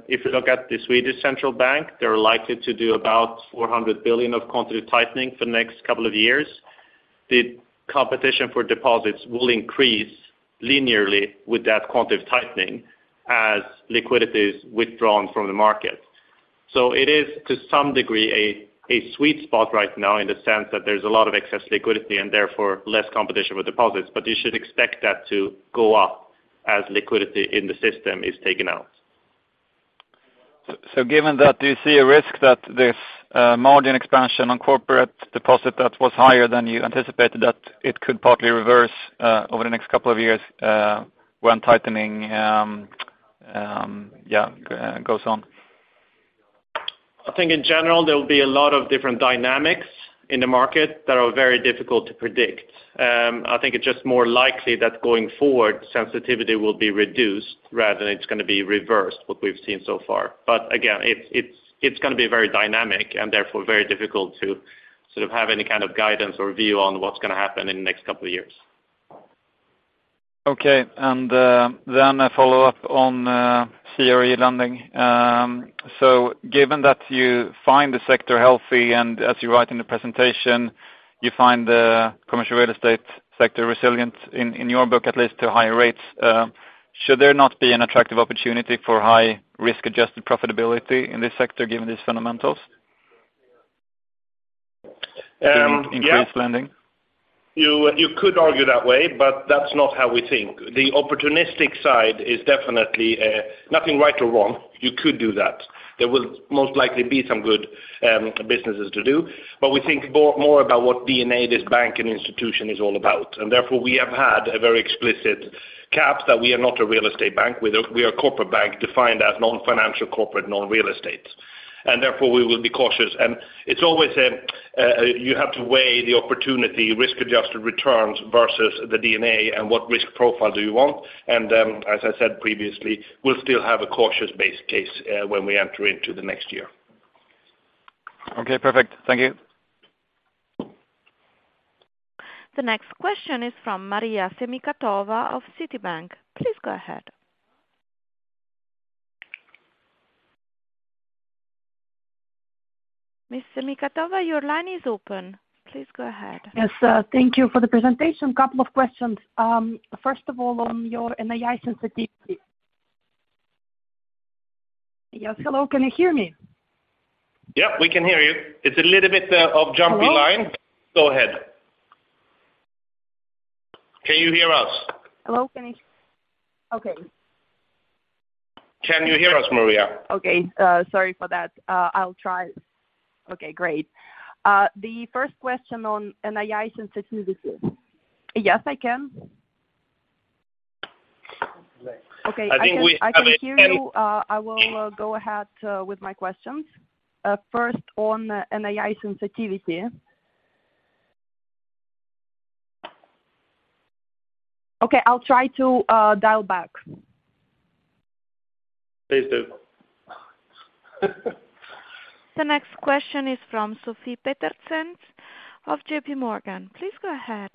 if you look at the Swedish Central Bank, they're likely to do about 400 billion of quantitative tightening for the next couple of years. The competition for deposits will increase linearly with that quantitative tightening as liquidity is withdrawn from the market. It is to some degree a sweet spot right now in the sense that there's a lot of excess liquidity and therefore less competition with deposits, but you should expect that to go up as liquidity in the system is taken out. Given that, do you see a risk that this margin expansion on corporate deposit that was higher than you anticipated, that it could partly reverse over the next couple of years when tightening goes on? I think in general, there will be a lot of different dynamics in the market that are very difficult to predict. I think it's just more likely that going forward, sensitivity will be reduced rather than it's gonna be reversed what we've seen so far. Again, it's gonna be very dynamic and therefore very difficult to sort of have any kind of guidance or view on what's gonna happen in the next couple of years. A follow-up on CRE lending. Given that you find the sector healthy, and as you write in the presentation, you find the commercial real estate sector resilient in your book, at least to higher rates, should there not be an attractive opportunity for high risk-adjusted profitability in this sector, given these fundamentals? Yeah. Increased lending. You could argue that way, but that's not how we think. The opportunistic side is definitely, nothing right or wrong. You could do that. There will most likely be some good, businesses to do, but we think more about what DNA this bank and institution is all about. Therefore, we have had a very explicit cap that we are not a real estate bank. We are a corporate bank defined as non-financial corporate, non-real estates. Therefore, we will be cautious. It's always, you have to weigh the opportunity risk-adjusted returns versus the DNA and what risk profile do you want. As I said previously, we'll still have a cautious base case, when we enter into the next year. Okay, perfect. Thank you. The next question is from Maria Semikhatova of Citibank. Please go ahead. Ms. Semikhatova, your line is open. Please go ahead. Yes, thank you for the presentation. Couple of questions. First of all, on your NII sensitivity. Yes. Hello, can you hear me? Yeah, we can hear you. It's a little bit of jumpy line. Hello? Go ahead. Can you hear us? Okay. Can you hear us, Maria? Okay. Sorry for that. I'll try. Okay, great. The first question on NII sensitivity. Yes, I can. I think we have a- Okay. I can hear you. I will go ahead with my questions. First on NII sensitivity. Okay, I'll try to dial back. Please do. The next question is from Sofie Peterzens of JPMorgan. Please go ahead.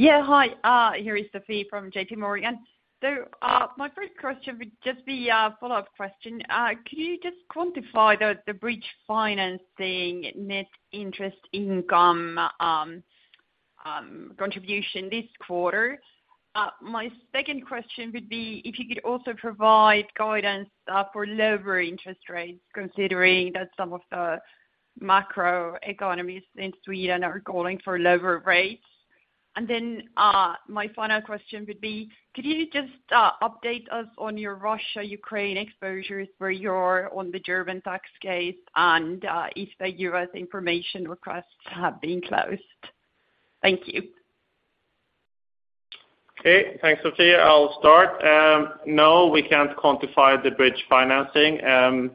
Hi, here is Sofie from JP Morgan. My first question would just be a follow-up question. Could you just quantify the bridge financing net interest income contribution this quarter? My second question would be if you could also provide guidance for lower interest rates, considering that some of the macroeconomists in Sweden are calling for lower rates. My final question would be, could you just update us on your Russia-Ukraine exposures, where you're on the German tax case and if the U.S. information requests have been closed? Thank you. Okay. Thanks, Sofie. I'll start. No, we can't quantify the bridge financing.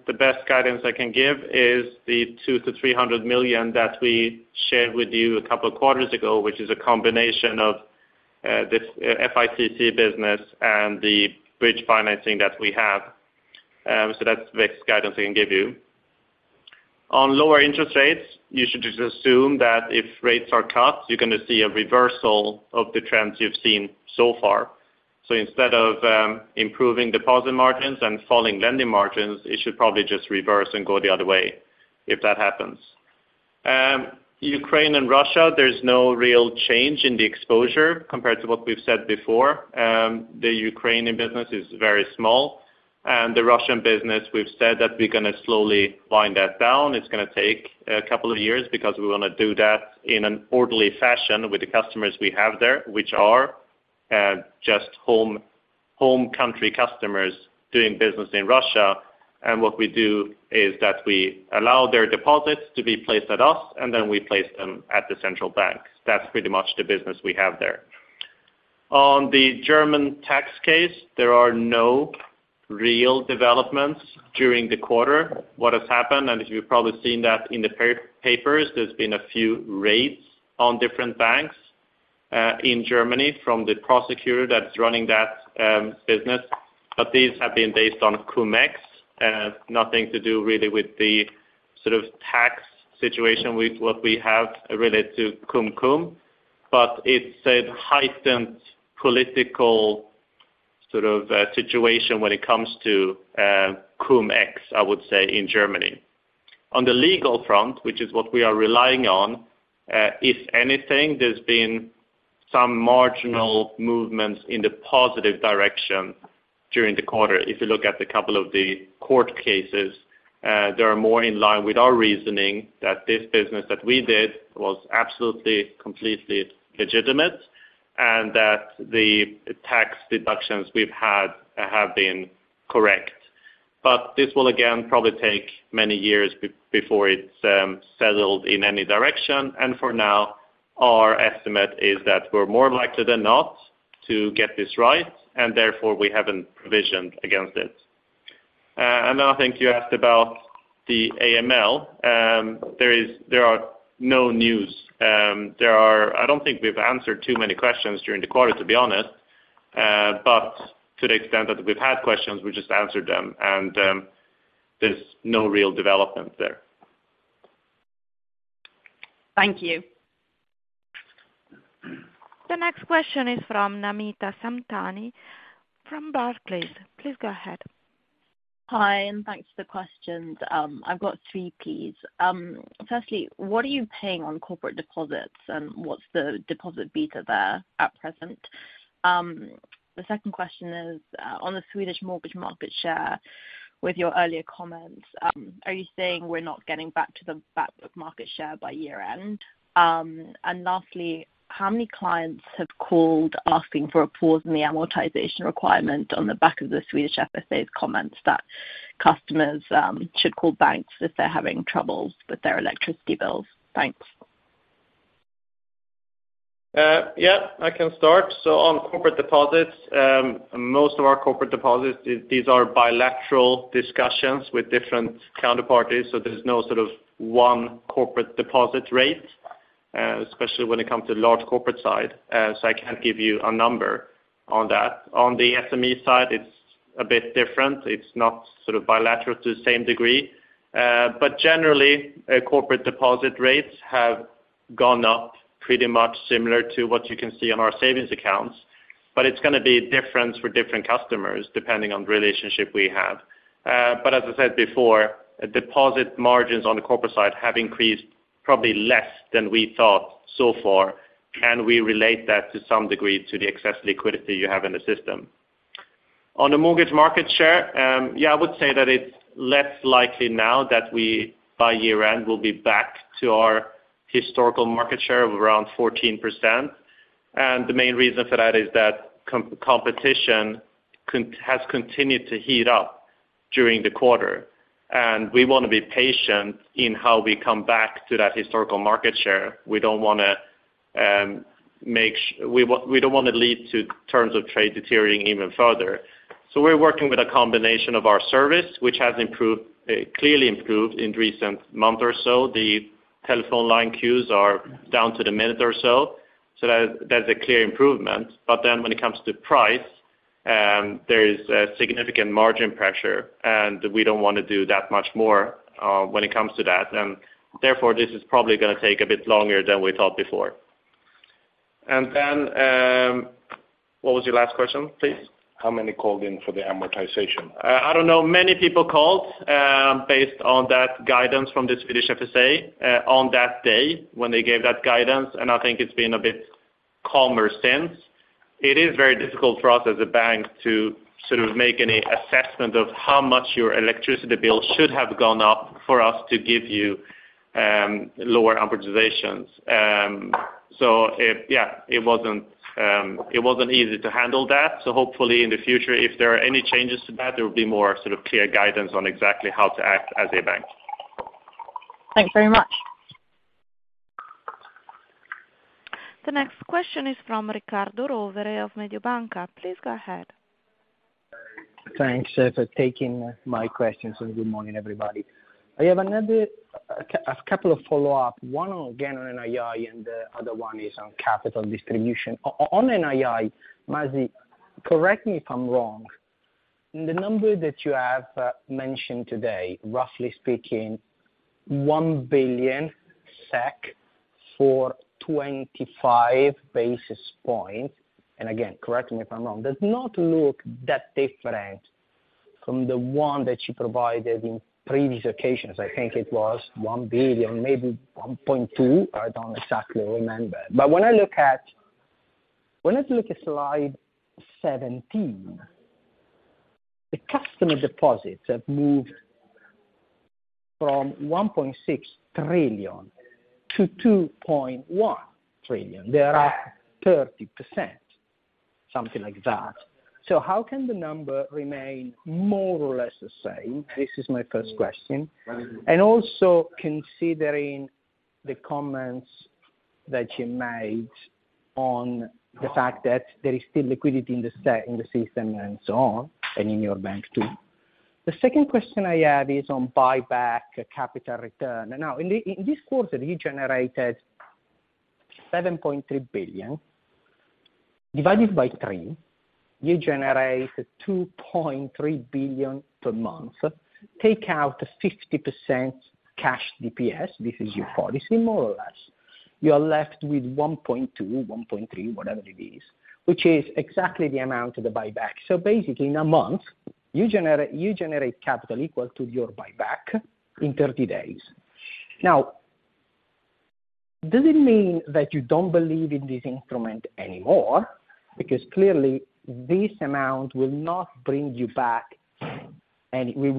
The best guidance I can give is the 200-300 million that we shared with you a couple of quarters ago, which is a combination of this FICC business and the bridge financing that we have. That's the best guidance I can give you. On lower interest rates, you should just assume that if rates are cut, you're gonna see a reversal of the trends you've seen so far. Instead of improving deposit margins and falling lending margins, it should probably just reverse and go the other way if that happens. Ukraine and Russia, there's no real change in the exposure compared to what we've said before. The Ukrainian business is very small, and the Russian business, we've said that we're gonna slowly wind that down. It's gonna take a couple of years because we wanna do that in an orderly fashion with the customers we have there, which are just home country customers doing business in Russia. What we do is that we allow their deposits to be placed at us, and then we place them at the central bank. That's pretty much the business we have there. On the German tax case, there are no real developments during the quarter. What has happened, and you've probably seen that in the papers, there's been a few raids on different banks in Germany from the prosecutor that's running that business. These have been based on CumEx, nothing to do really with the sort of tax situation with what we have related to CumCum. It's a heightened political sort of situation when it comes to CumEx, I would say, in Germany. On the legal front, which is what we are relying on, if anything, there's been some marginal movements in the positive direction during the quarter. If you look at a couple of the court cases, they are more in line with our reasoning that this business that we did was absolutely, completely legitimate and that the tax deductions we've had have been correct. This will again, probably take many years before it's settled in any direction. For now our estimate is that we're more likely than not to get this right and therefore we haven't provisioned against it. I think you asked about the AML. There are no news. There are I don't think we've answered too many questions during the quarter, to be honest. To the extent that we've had questions, we just answered them and there's no real development there. Thank you. The next question is from Namita Samtani from Barclays. Please go ahead. Hi, thanks for the questions. I've got three, please. Firstly, what are you paying on corporate deposits and what's the deposit beta there at present? The second question is on the Swedish mortgage market share with your earlier comments, are you saying we're not getting back to the top of market share by year-end? Lastly, how many clients have called asking for a pause in the amortization requirement on the back of the Swedish FSA's comments that customers should call banks if they're having troubles with their electricity bills? Thanks. Yeah, I can start. On corporate deposits, most of our corporate deposits, these are bilateral discussions with different counterparties. There's no sort of one corporate deposit rate, especially when it comes to large corporate side. I can't give you a number on that. On the SME side, it's a bit different. It's not sort of bilateral to the same degree. But generally, corporate deposit rates have gone up pretty much similar to what you can see on our savings accounts, but it's gonna be different for different customers, depending on the relationship we have. But as I said before, deposit margins on the corporate side have increased probably less than we thought so far, and we relate that to some degree to the excess liquidity you have in the system. On the mortgage market share, I would say that it's less likely now that we by year-end will be back to our historical market share of around 14%. The main reason for that is that competition has continued to heat up during the quarter. We wanna be patient in how we come back to that historical market share. We don't wanna lead to terms of trade deteriorating even further. We're working with a combination of our service, which has improved, clearly improved in recent months or so. The telephone line queues are down to a minute or so. That's a clear improvement. When it comes to price, there is a significant margin pressure, and we don't wanna do that much more, when it comes to that. Therefore, this is probably gonna take a bit longer than we thought before. What was your last question, please? How many called in for the amortization? I don't know. Many people called based on that guidance from the Swedish FSA on that day when they gave that guidance, and I think it's been a bit calmer since. It is very difficult for us as a bank to sort of make any assessment of how much your electricity bill should have gone up for us to give you lower amortizations. It wasn't easy to handle that. Hopefully in the future, if there are any changes to that, there will be more sort of clear guidance on exactly how to act as a bank. Thanks very much. The next question is from Riccardo Rovere of Mediobanca. Please go ahead. Thanks for taking my questions, and good morning, everybody. I have a couple of follow-up. One again on NII, and the other one is on capital distribution. On NII, Masih, correct me if I'm wrong, in the number that you have mentioned today, roughly speaking, 1 billion SEK for 25 basis points, and again, correct me if I'm wrong, does not look that different from the one that you provided in previous occasions. I think it was 1 billion, maybe 1.2 billion. I don't exactly remember. When I look at slide 17, the customer deposits have moved from 1.6 trillion to 2.1 trillion. They are 30%, something like that. How can the number remain more or less the same? This is my first question. Also considering the comments that you made on the fact that there is still liquidity in the system and so on, and in your bank too. The second question I have is on buyback capital return. Now, in this quarter, you generated 7.3 billion. Divided by three, you generate 2.3 billion per month. Take out 50% cash DPS, this is your policy more or less. You are left with 1.2, 1.3, whatever it is, which is exactly the amount of the buyback. So basically, in a month, you generate capital equal to your buyback in 30 days. Now, does it mean that you don't believe in this instrument anymore? Because clearly this amount will not bring you back anywhere,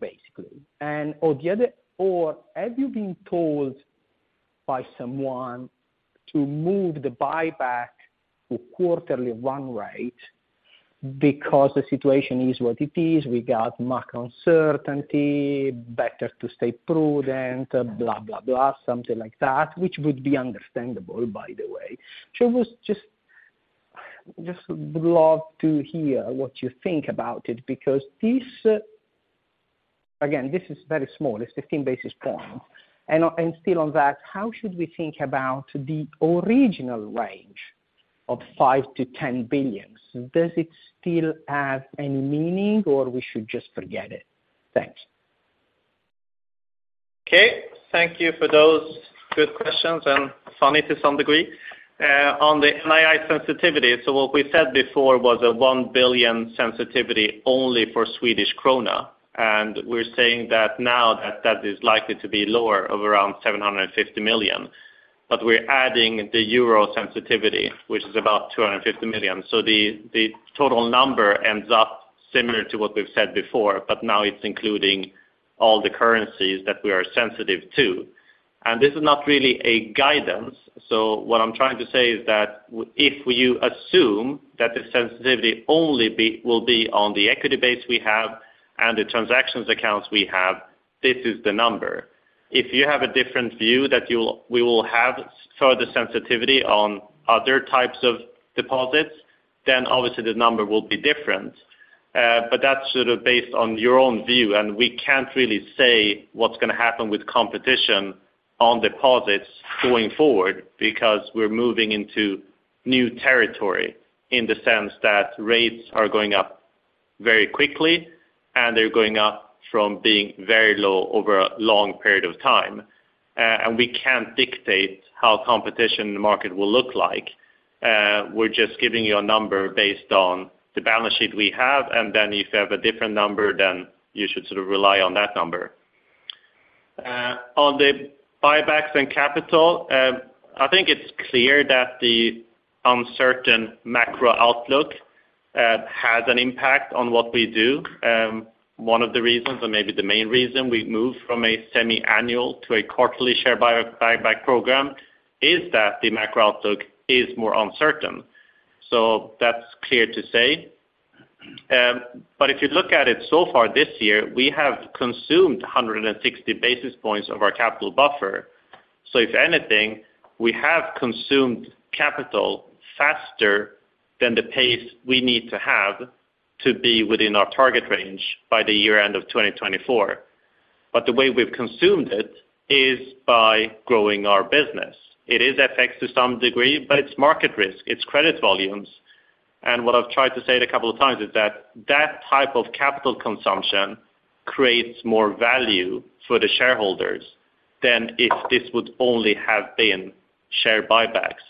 basically. On the other... Have you been told by someone to move the buyback to quarterly one rate? Because the situation is what it is, we got more uncertainty, better to stay prudent, blah, blah, something like that, which would be understandable, by the way. I was just would love to hear what you think about it because this. Again, this is very small. It's 15 basis points. And still on that, how should we think about the original range of 5 billion-10 billion? Does it still have any meaning or we should just forget it? Thanks. Okay. Thank you for those good questions and funny to some degree. On the NII sensitivity, what we said before was a 1 billion sensitivity only for Swedish krona. We're saying that now that that is likely to be lower of around 750 million. We're adding the euro sensitivity, which is about 250 million. The total number ends up similar to what we've said before, but now it's including all the currencies that we are sensitive to. This is not really a guidance. What I'm trying to say is that if you assume that the sensitivity only will be on the equity base we have and the transactions accounts we have, this is the number. If you have a different view that we will have further sensitivity on other types of deposits, then obviously the number will be different. But that's sort of based on your own view, and we can't really say what's gonna happen with competition on deposits going forward because we're moving into new territory in the sense that rates are going up very quickly, and they're going up from being very low over a long period of time. We can't dictate how competition in the market will look like. We're just giving you a number based on the balance sheet we have, and then if you have a different number, then you should sort of rely on that number. On the buybacks and capital, I think it's clear that the uncertain macro outlook has an impact on what we do. One of the reasons or maybe the main reason we move from a semi-annual to a quarterly share buyback program is that the macro outlook is more uncertain. That's clear to say. If you look at it so far this year, we have consumed 160 basis points of our capital buffer. If anything, we have consumed capital faster than the pace we need to have to be within our target range by the year end of 2024. The way we've consumed it is by growing our business. It is FX to some degree, but it's market risk, it's credit volumes. What I've tried to say it a couple of times is that that type of capital consumption creates more value for the shareholders than if this would only have been share buybacks.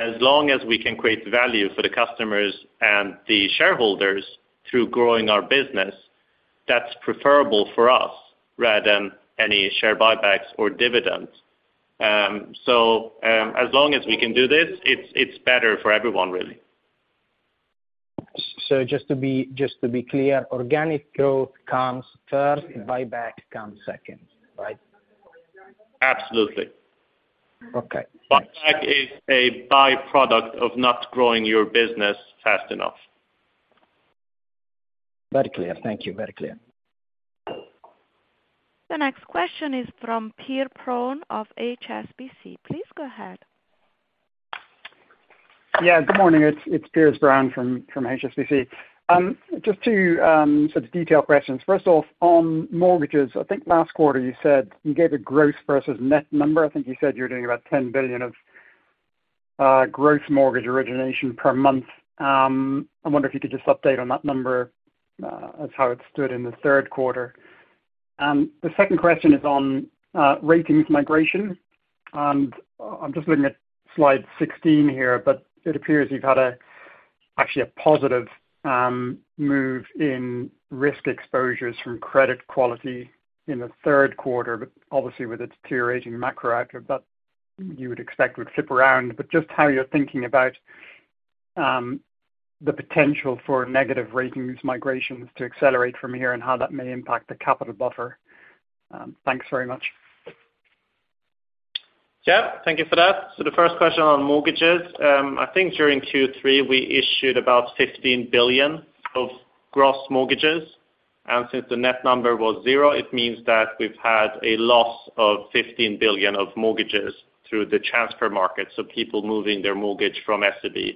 As long as we can create value for the customers and the shareholders through growing our business, that's preferable for us rather than any share buybacks or dividends. As long as we can do this, it's better for everyone, really. Just to be clear, organic growth comes first, buyback comes second, right? Absolutely. Okay. Buyback is a by-product of not growing your business fast enough. Very clear. Thank you. Very clear. The next question is from Piers Brown of HSBC. Please go ahead. Yeah, good morning. It's Piers Brown from HSBC. Just two sort of detail questions. First off, on mortgages, I think last quarter you said you gave a gross versus net number. I think you said you're doing about 10 billion of gross mortgage origination per month. I wonder if you could just update on that number as how it stood in the third quarter. The second question is on ratings migration. I'm just looking at slide 16 here, but it appears you've had actually a positive move in risk exposures from credit quality in the third quarter, but obviously with a deteriorating macro outlook that you would expect would flip around. Just how you're thinking about the potential for negative ratings migrations to accelerate from here and how that may impact the capital buffer. Thanks very much. Yeah, thank you for that. The first question on mortgages, I think during Q3, we issued about 15 billion of gross mortgages. Since the net number was 0, it means that we've had a loss of 15 billion of mortgages through the transfer market, so people moving their mortgage from SEB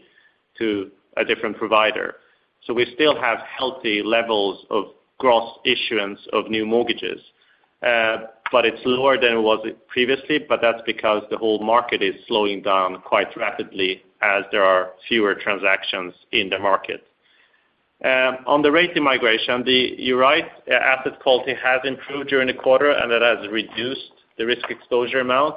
to a different provider. We still have healthy levels of gross issuance of new mortgages. It's lower than it was previously, but that's because the whole market is slowing down quite rapidly as there are fewer transactions in the market. On the rating migration, you're right, asset quality has improved during the quarter, and that has reduced the risk exposure amount.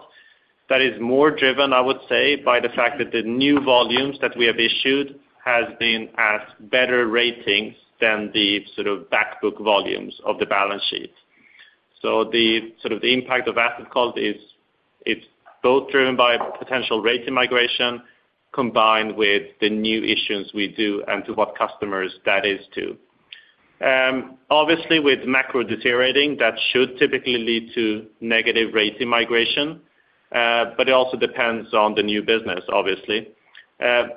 That is more driven, I would say, by the fact that the new volumes that we have issued has been at better ratings than the sort of back book volumes of the balance sheet. The sort of the impact of asset quality is it's both driven by potential rating migration combined with the new issuance we do and to what customers that is to, obviously with macro deteriorating, that should typically lead to negative rating migration. But it also depends on the new business, obviously.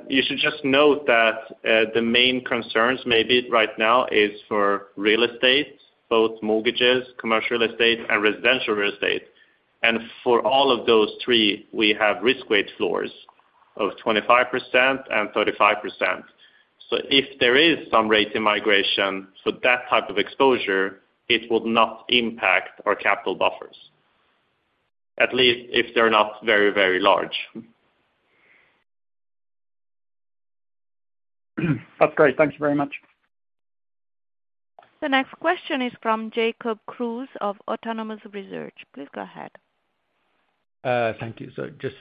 You should just note that, the main concerns may be right now is for real estate, both mortgages, commercial real estate and residential real estate. For all of those three, we have risk weight floors of 25% and 35%. If there is some rating migration for that type of exposure, it will not impact our capital buffers. At least if they're not very, very large. That's great. Thank you very much. The next question is from Jacob Kruse of Autonomous Research. Please go ahead. Thank you. Just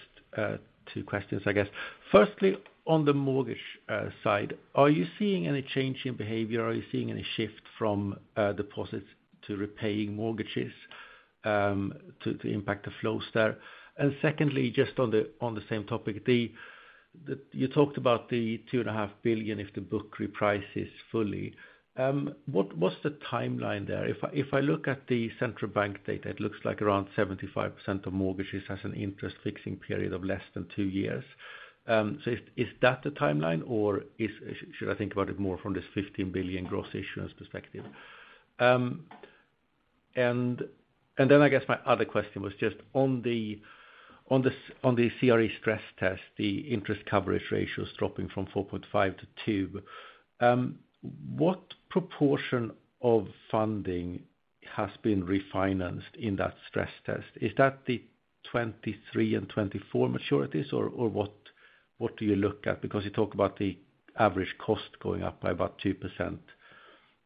two questions, I guess. Firstly, on the mortgage side, are you seeing any change in behavior? Are you seeing any shift from deposits to repaying mortgages to impact the flows there? Secondly, just on the same topic, you talked about the 2.5 billion if the book reprices fully. What was the timeline there? If I look at the central bank data, it looks like around 75% of mortgages has an interest fixing period of less than two years. Is that the timeline or should I think about it more from this 15 billion gross issuance perspective? I guess my other question was just on the CRE stress test, the interest coverage ratio is dropping from 4.5 to two. What proportion of funding has been refinanced in that stress test? Is that the 2023 and 2024 maturities or what do you look at? Because you talk about the average cost going up by about 2%,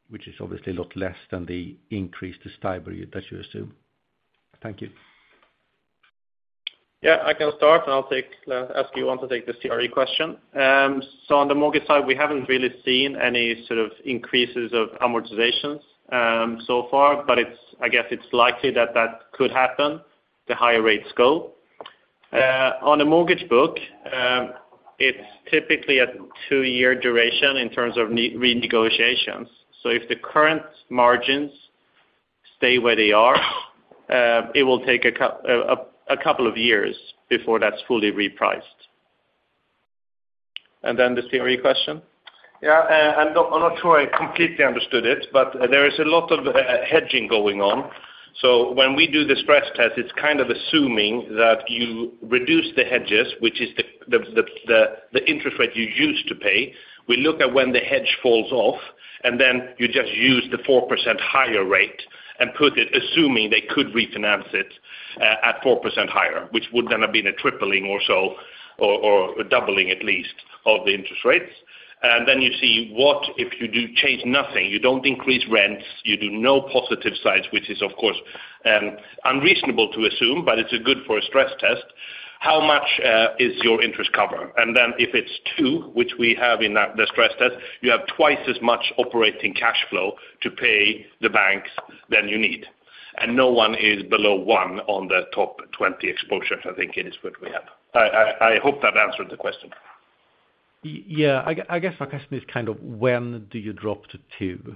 which is obviously a lot less than the increase to STIBOR that you assume. Thank you. Yeah, I can start and I'll take or do you want to take the CRE question. So on the mortgage side, we haven't really seen any sort of increases of amortizations so far, but I guess it's likely that could happen the higher the rates go. On a mortgage book, it's typically a two-year duration in terms of renegotiations. So if the current margins stay where they are, it will take a couple of years before that's fully repriced. Then the CRE question? I'm not sure I completely understood it, but there is a lot of hedging going on. When we do the stress test, it's kind of assuming that you reduce the hedges, which is the interest rate you used to pay. We look at when the hedge falls off, and then you just use the 4% higher rate and put it assuming they could refinance it at 4% higher, which would then have been a tripling or so, or a doubling at least of the interest rates. Then you see what if you do change nothing, you don't increase rents, you do no positive sides, which is of course unreasonable to assume, but it's good for a stress test. How much is your interest cover? If it's two, which we have in that the stress test, you have twice as much operating cash flow to pay the banks than you need. No one is below one on the top 20 exposures. I think it is what we have. I hope that answered the question. Yeah. I guess my question is kind of when do you drop to two?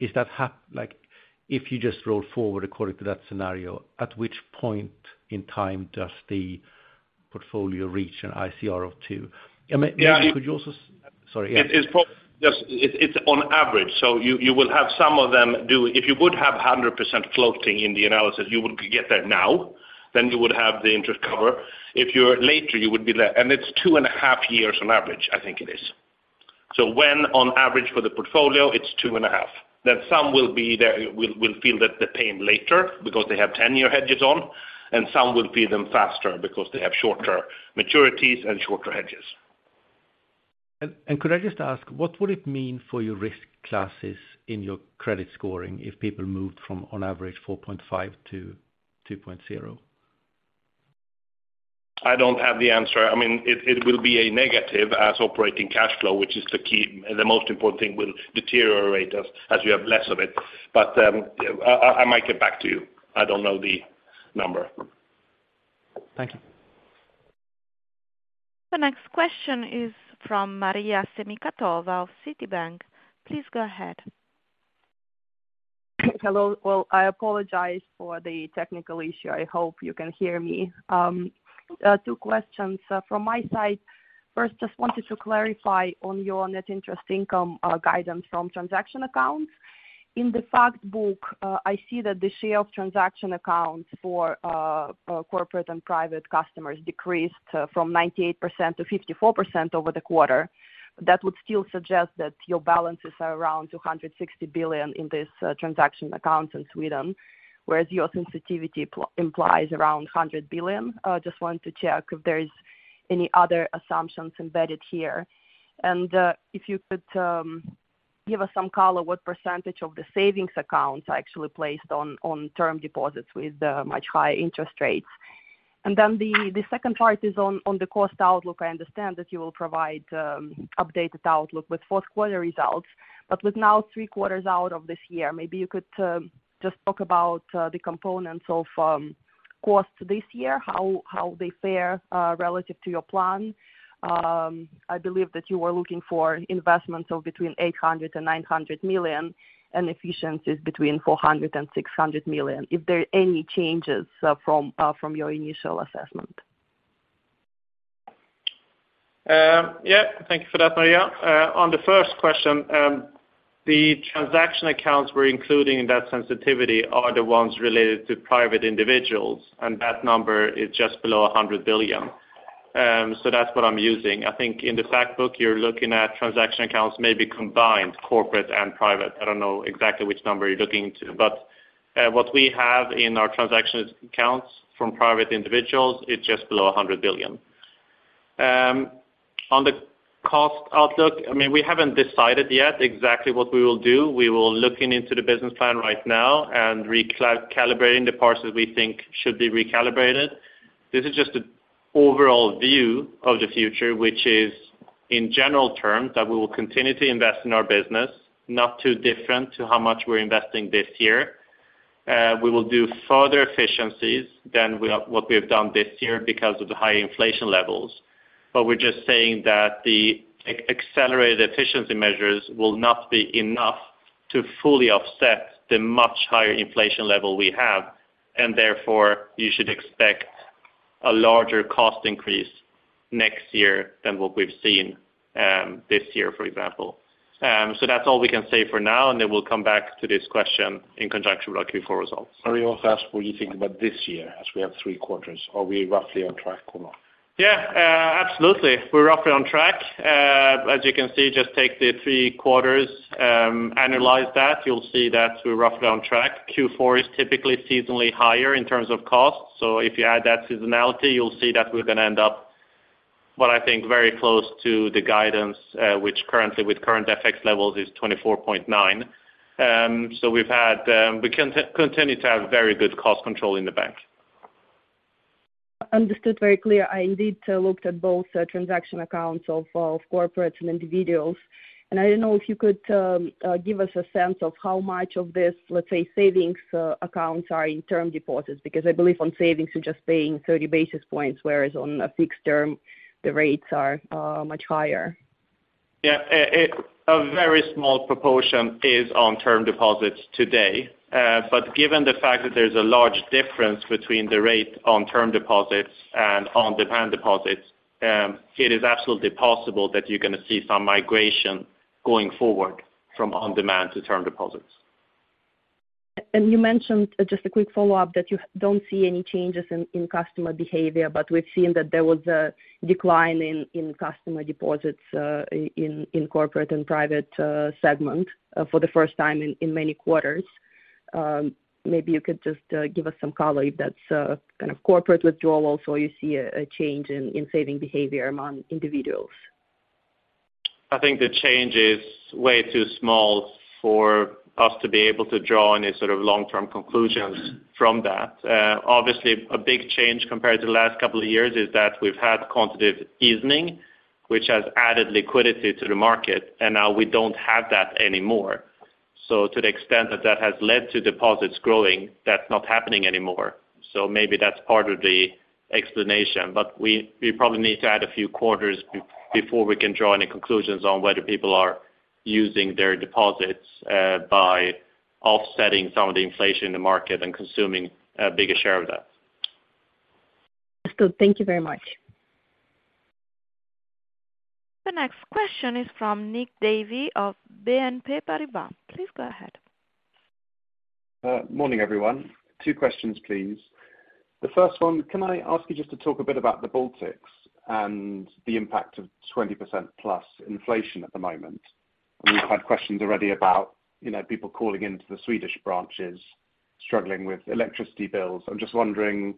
Is that happening, like, if you just roll forward according to that scenario, at which point in time does the portfolio reach an ICR of two? I mean. Yeah. Sorry. Yes, it's on average. You will have some of them. If you would have 100% floating in the analysis, you would get there now, then you would have the interest cover. If you're later, you would be there. It's two and a half years on average, I think it is. When on average for the portfolio, it's two and a half, then some will be there, will feel the pain later because they have 10-year hedges on, and some will feel them faster because they have shorter maturities and shorter hedges. Could I just ask, what would it mean for your risk classes in your credit scoring if people moved from on average 4.5 to 2.0? I don't have the answer. I mean, it will be a negative as operating cash flow, which is the key. The most important thing will deteriorate as you have less of it. I might get back to you. I don't know the number. Thank you. The next question is from Maria Semikhatova of Citibank. Please go ahead. Hello. Well, I apologize for the technical issue. I hope you can hear me. Two questions from my side. First, just wanted to clarify on your net interest income guidance from transaction accounts. In the fact book, I see that the share of transaction accounts for corporate and private customers decreased from 98% to 54% over the quarter. That would still suggest that your balances are around 260 billion in this transaction accounts in Sweden, whereas your sensitivity implies around 100 billion. Just wanted to check if there is any other assumptions embedded here. If you could give us some color, what percentage of the savings accounts are actually placed on term deposits with the much higher interest rates. Then the second part is on the cost outlook. I understand that you will provide updated outlook with fourth quarter results, but with now three quarters out of this year, maybe you could just talk about the components of costs this year, how they fare relative to your plan. I believe that you were looking for investments of between 800 million and 900 million and efficiencies between 400 million and 600 million. If there are any changes from your initial assessment. Yeah, thank you for that, Maria. On the first question, the transaction accounts we're including in that sensitivity are the ones related to private individuals, and that number is just below 100 billion. So that's what I'm using. I think in the fact book, you're looking at transaction accounts maybe combined, corporate and private. I don't know exactly which number you're looking at. What we have in our transaction accounts from private individuals is just below 100 billion. On the cost outlook, I mean, we haven't decided yet exactly what we will do. We are looking into the business plan right now and recalibrating the parts that we think should be recalibrated. This is just an overall view of the future, which is in general terms, that we will continue to invest in our business, not too different to how much we're investing this year. We will do further efficiencies than what we have done this year because of the high inflation levels. We're just saying that the accelerated efficiency measures will not be enough to fully offset the much higher inflation level we have, and therefore you should expect a larger cost increase next year than what we've seen this year, for example. That's all we can say for now, and then we'll come back to this question in conjunction with our Q4 results. I will also ask what you think about this year, as we have three quarters. Are we roughly on track or not? Yeah, absolutely. We're roughly on track. As you can see, just take the three quarters, analyze that, you'll see that we're roughly on track. Q4 is typically seasonally higher in terms of cost. If you add that seasonality, you'll see that we're gonna end up, I think, very close to the guidance, which currently with current FX levels is 24.9. We've had, we continue to have very good cost control in the bank. Understood, very clear. I indeed looked at both, transaction accounts of corporates and individuals. I didn't know if you could give us a sense of how much of this, let's say, savings accounts are in term deposits, because I believe on savings, you're just paying 30 basis points, whereas on a fixed term, the rates are much higher. Yeah. A very small proportion is on term deposits today. Given the fact that there's a large difference between the rate on term deposits and on-demand deposits, it is absolutely possible that you're gonna see some migration going forward from on-demand to term deposits. You mentioned, just a quick follow-up, that you don't see any changes in customer behavior, but we've seen that there was a decline in customer deposits in corporate and private segment for the first time in many quarters. Maybe you could just give us some color if that's kind of corporate withdrawal, or you see a change in saving behavior among individuals. I think the change is way too small for us to be able to draw any sort of long-term conclusions from that. Obviously, a big change compared to the last couple of years is that we've had quantitative easing, which has added liquidity to the market, and now we don't have that anymore. To the extent that that has led to deposits growing, that's not happening anymore. Maybe that's part of the explanation. We probably need to add a few quarters before we can draw any conclusions on whether people are using their deposits by offsetting some of the inflation in the market and consuming a bigger share of that. Understood. Thank you very much. The next question is from Nick Davey of BNP Paribas. Please go ahead. Morning, everyone. Two questions, please. The first one, can I ask you just to talk a bit about the Baltics and the impact of 20%+ inflation at the moment? We've had questions already about, you know, people calling into the Swedish branches, struggling with electricity bills. I'm just wondering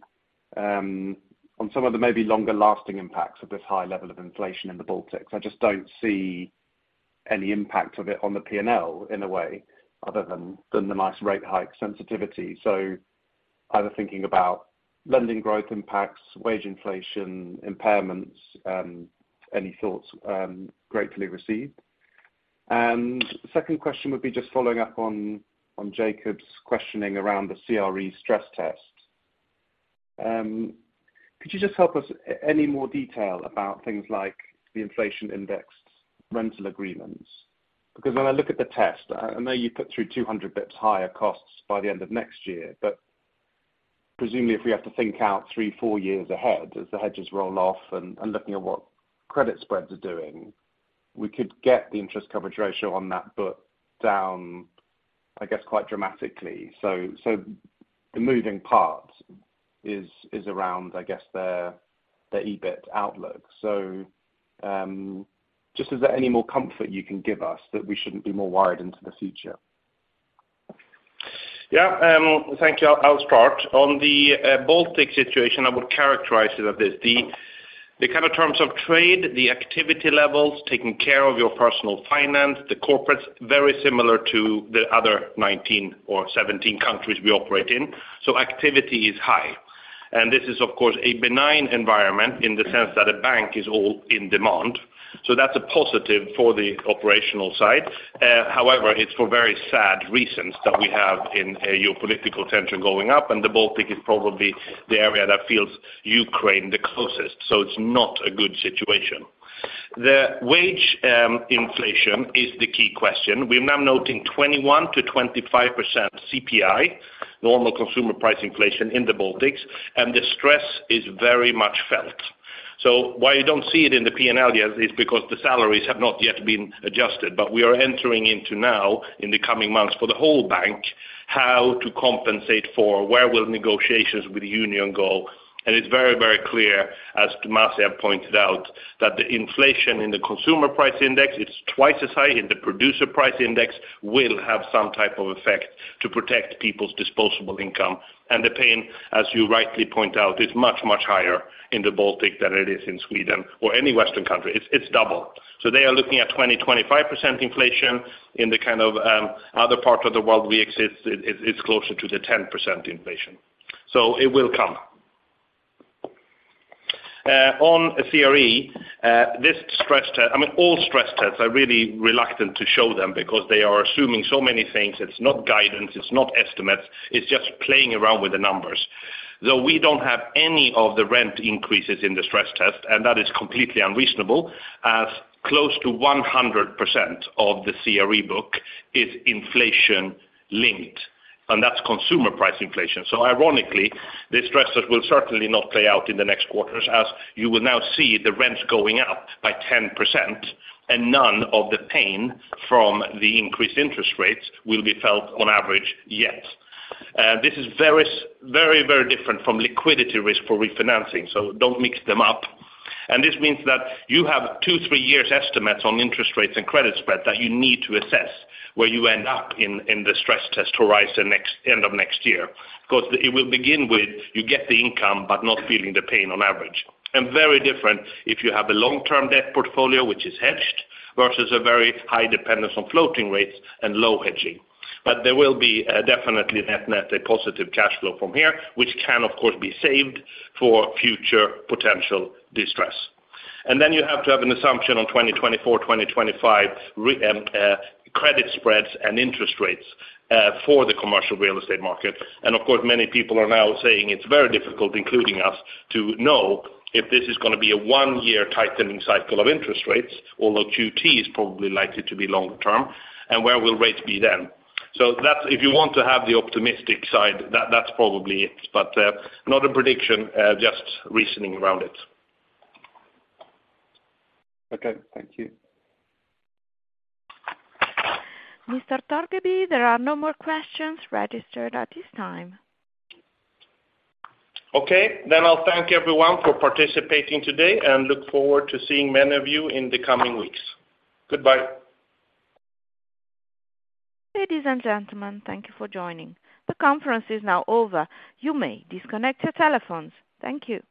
on some of the maybe longer-lasting impacts of this high level of inflation in the Baltics. I just don't see any impact of it on the P&L in a way other than the nice rate hike sensitivity. Either thinking about lending growth impacts, wage inflation, impairments, any thoughts gratefully received. Second question would be just following up on Jacob's questioning around the CRE stress test. Could you just help us with any more detail about things like the inflation indexed rental agreements? Because when I look at the test, I know you put through 200 basis points higher costs by the end of next year, but presumably, if we have to think out three, four years ahead as the hedges roll off and looking at what credit spreads are doing, we could get the interest coverage ratio on that book down, I guess, quite dramatically. The moving part is around, I guess, the EBIT outlook. Just, is there any more comfort you can give us that we shouldn't be more worried into the future? Yeah. Thank you. I'll start. On the Baltic situation, I would characterize it like this. The The kind of terms of trade, the activity levels, taking care of your personal finance, the corporate, very similar to the other 19 or 17 countries we operate in. Activity is high. This is of course a benign environment in the sense that a bank is all in demand. That's a positive for the operational side. However, it's for very sad reasons that we have a geopolitical tension going up, and the Baltic is probably the area that feels Ukraine the closest. It's not a good situation. The wage inflation is the key question. We're now noting 21%-25% CPI, normal consumer price inflation in the Baltics, and the stress is very much felt. Why you don't see it in the P&L yet is because the salaries have not yet been adjusted. We are entering into now in the coming months for the whole bank, how to compensate for where will negotiations with the union go. It's very, very clear, as Masih Yazdi have pointed out, that the inflation in the Consumer Price Index, it's twice as high in the producer price index will have some type of effect to protect people's disposable income. The pain, as you rightly point out, is much, much higher in the Baltic than it is in Sweden or any Western country. It's double. They are looking at 20%-25% inflation. In the kind of other part of the world we exist in it's closer to the 10% inflation. It will come. On CRE, this stress—I mean, all stress tests are really reluctant to show them because they are assuming so many things. It's not guidance, it's not estimates, it's just playing around with the numbers. Though we don't have any of the rent increases in the stress test, and that is completely unreasonable, as close to 100% of the CRE book is inflation-linked, and that's consumer price inflation. Ironically, this stress test will certainly not play out in the next quarters as you will now see the rents going up by 10% and none of the pain from the increased interest rates will be felt on average yet. This is very, very different from liquidity risk for refinancing, so don't mix them up. This means that you have two-three years estimates on interest rates and credit spread that you need to assess where you end up in the stress test horizon end of next year. Of course, it will begin with you get the income but not feeling the pain on average. Very different if you have a long-term debt portfolio, which is hedged versus a very high dependence on floating rates and low hedging. There will be definitely net a positive cash flow from here, which can of course be saved for future potential distress. Then you have to have an assumption on 2024, 2025 credit spreads and interest rates for the commercial real estate market. Of course, many people are now saying it's very difficult, including us, to know if this is gonna be a one-year tightening cycle of interest rates, although QT is probably likely to be longer term, and where will rates be then. That's if you want to have the optimistic side, that's probably it. Not a prediction, just reasoning around it. Okay, thank you. Mr. Torgeby, there are no more questions registered at this time. Okay. I'll thank everyone for participating today and look forward to seeing many of you in the coming weeks. Goodbye. Ladies and gentlemen, thank you for joining. The conference is now over. You may disconnect your telephones. Thank you.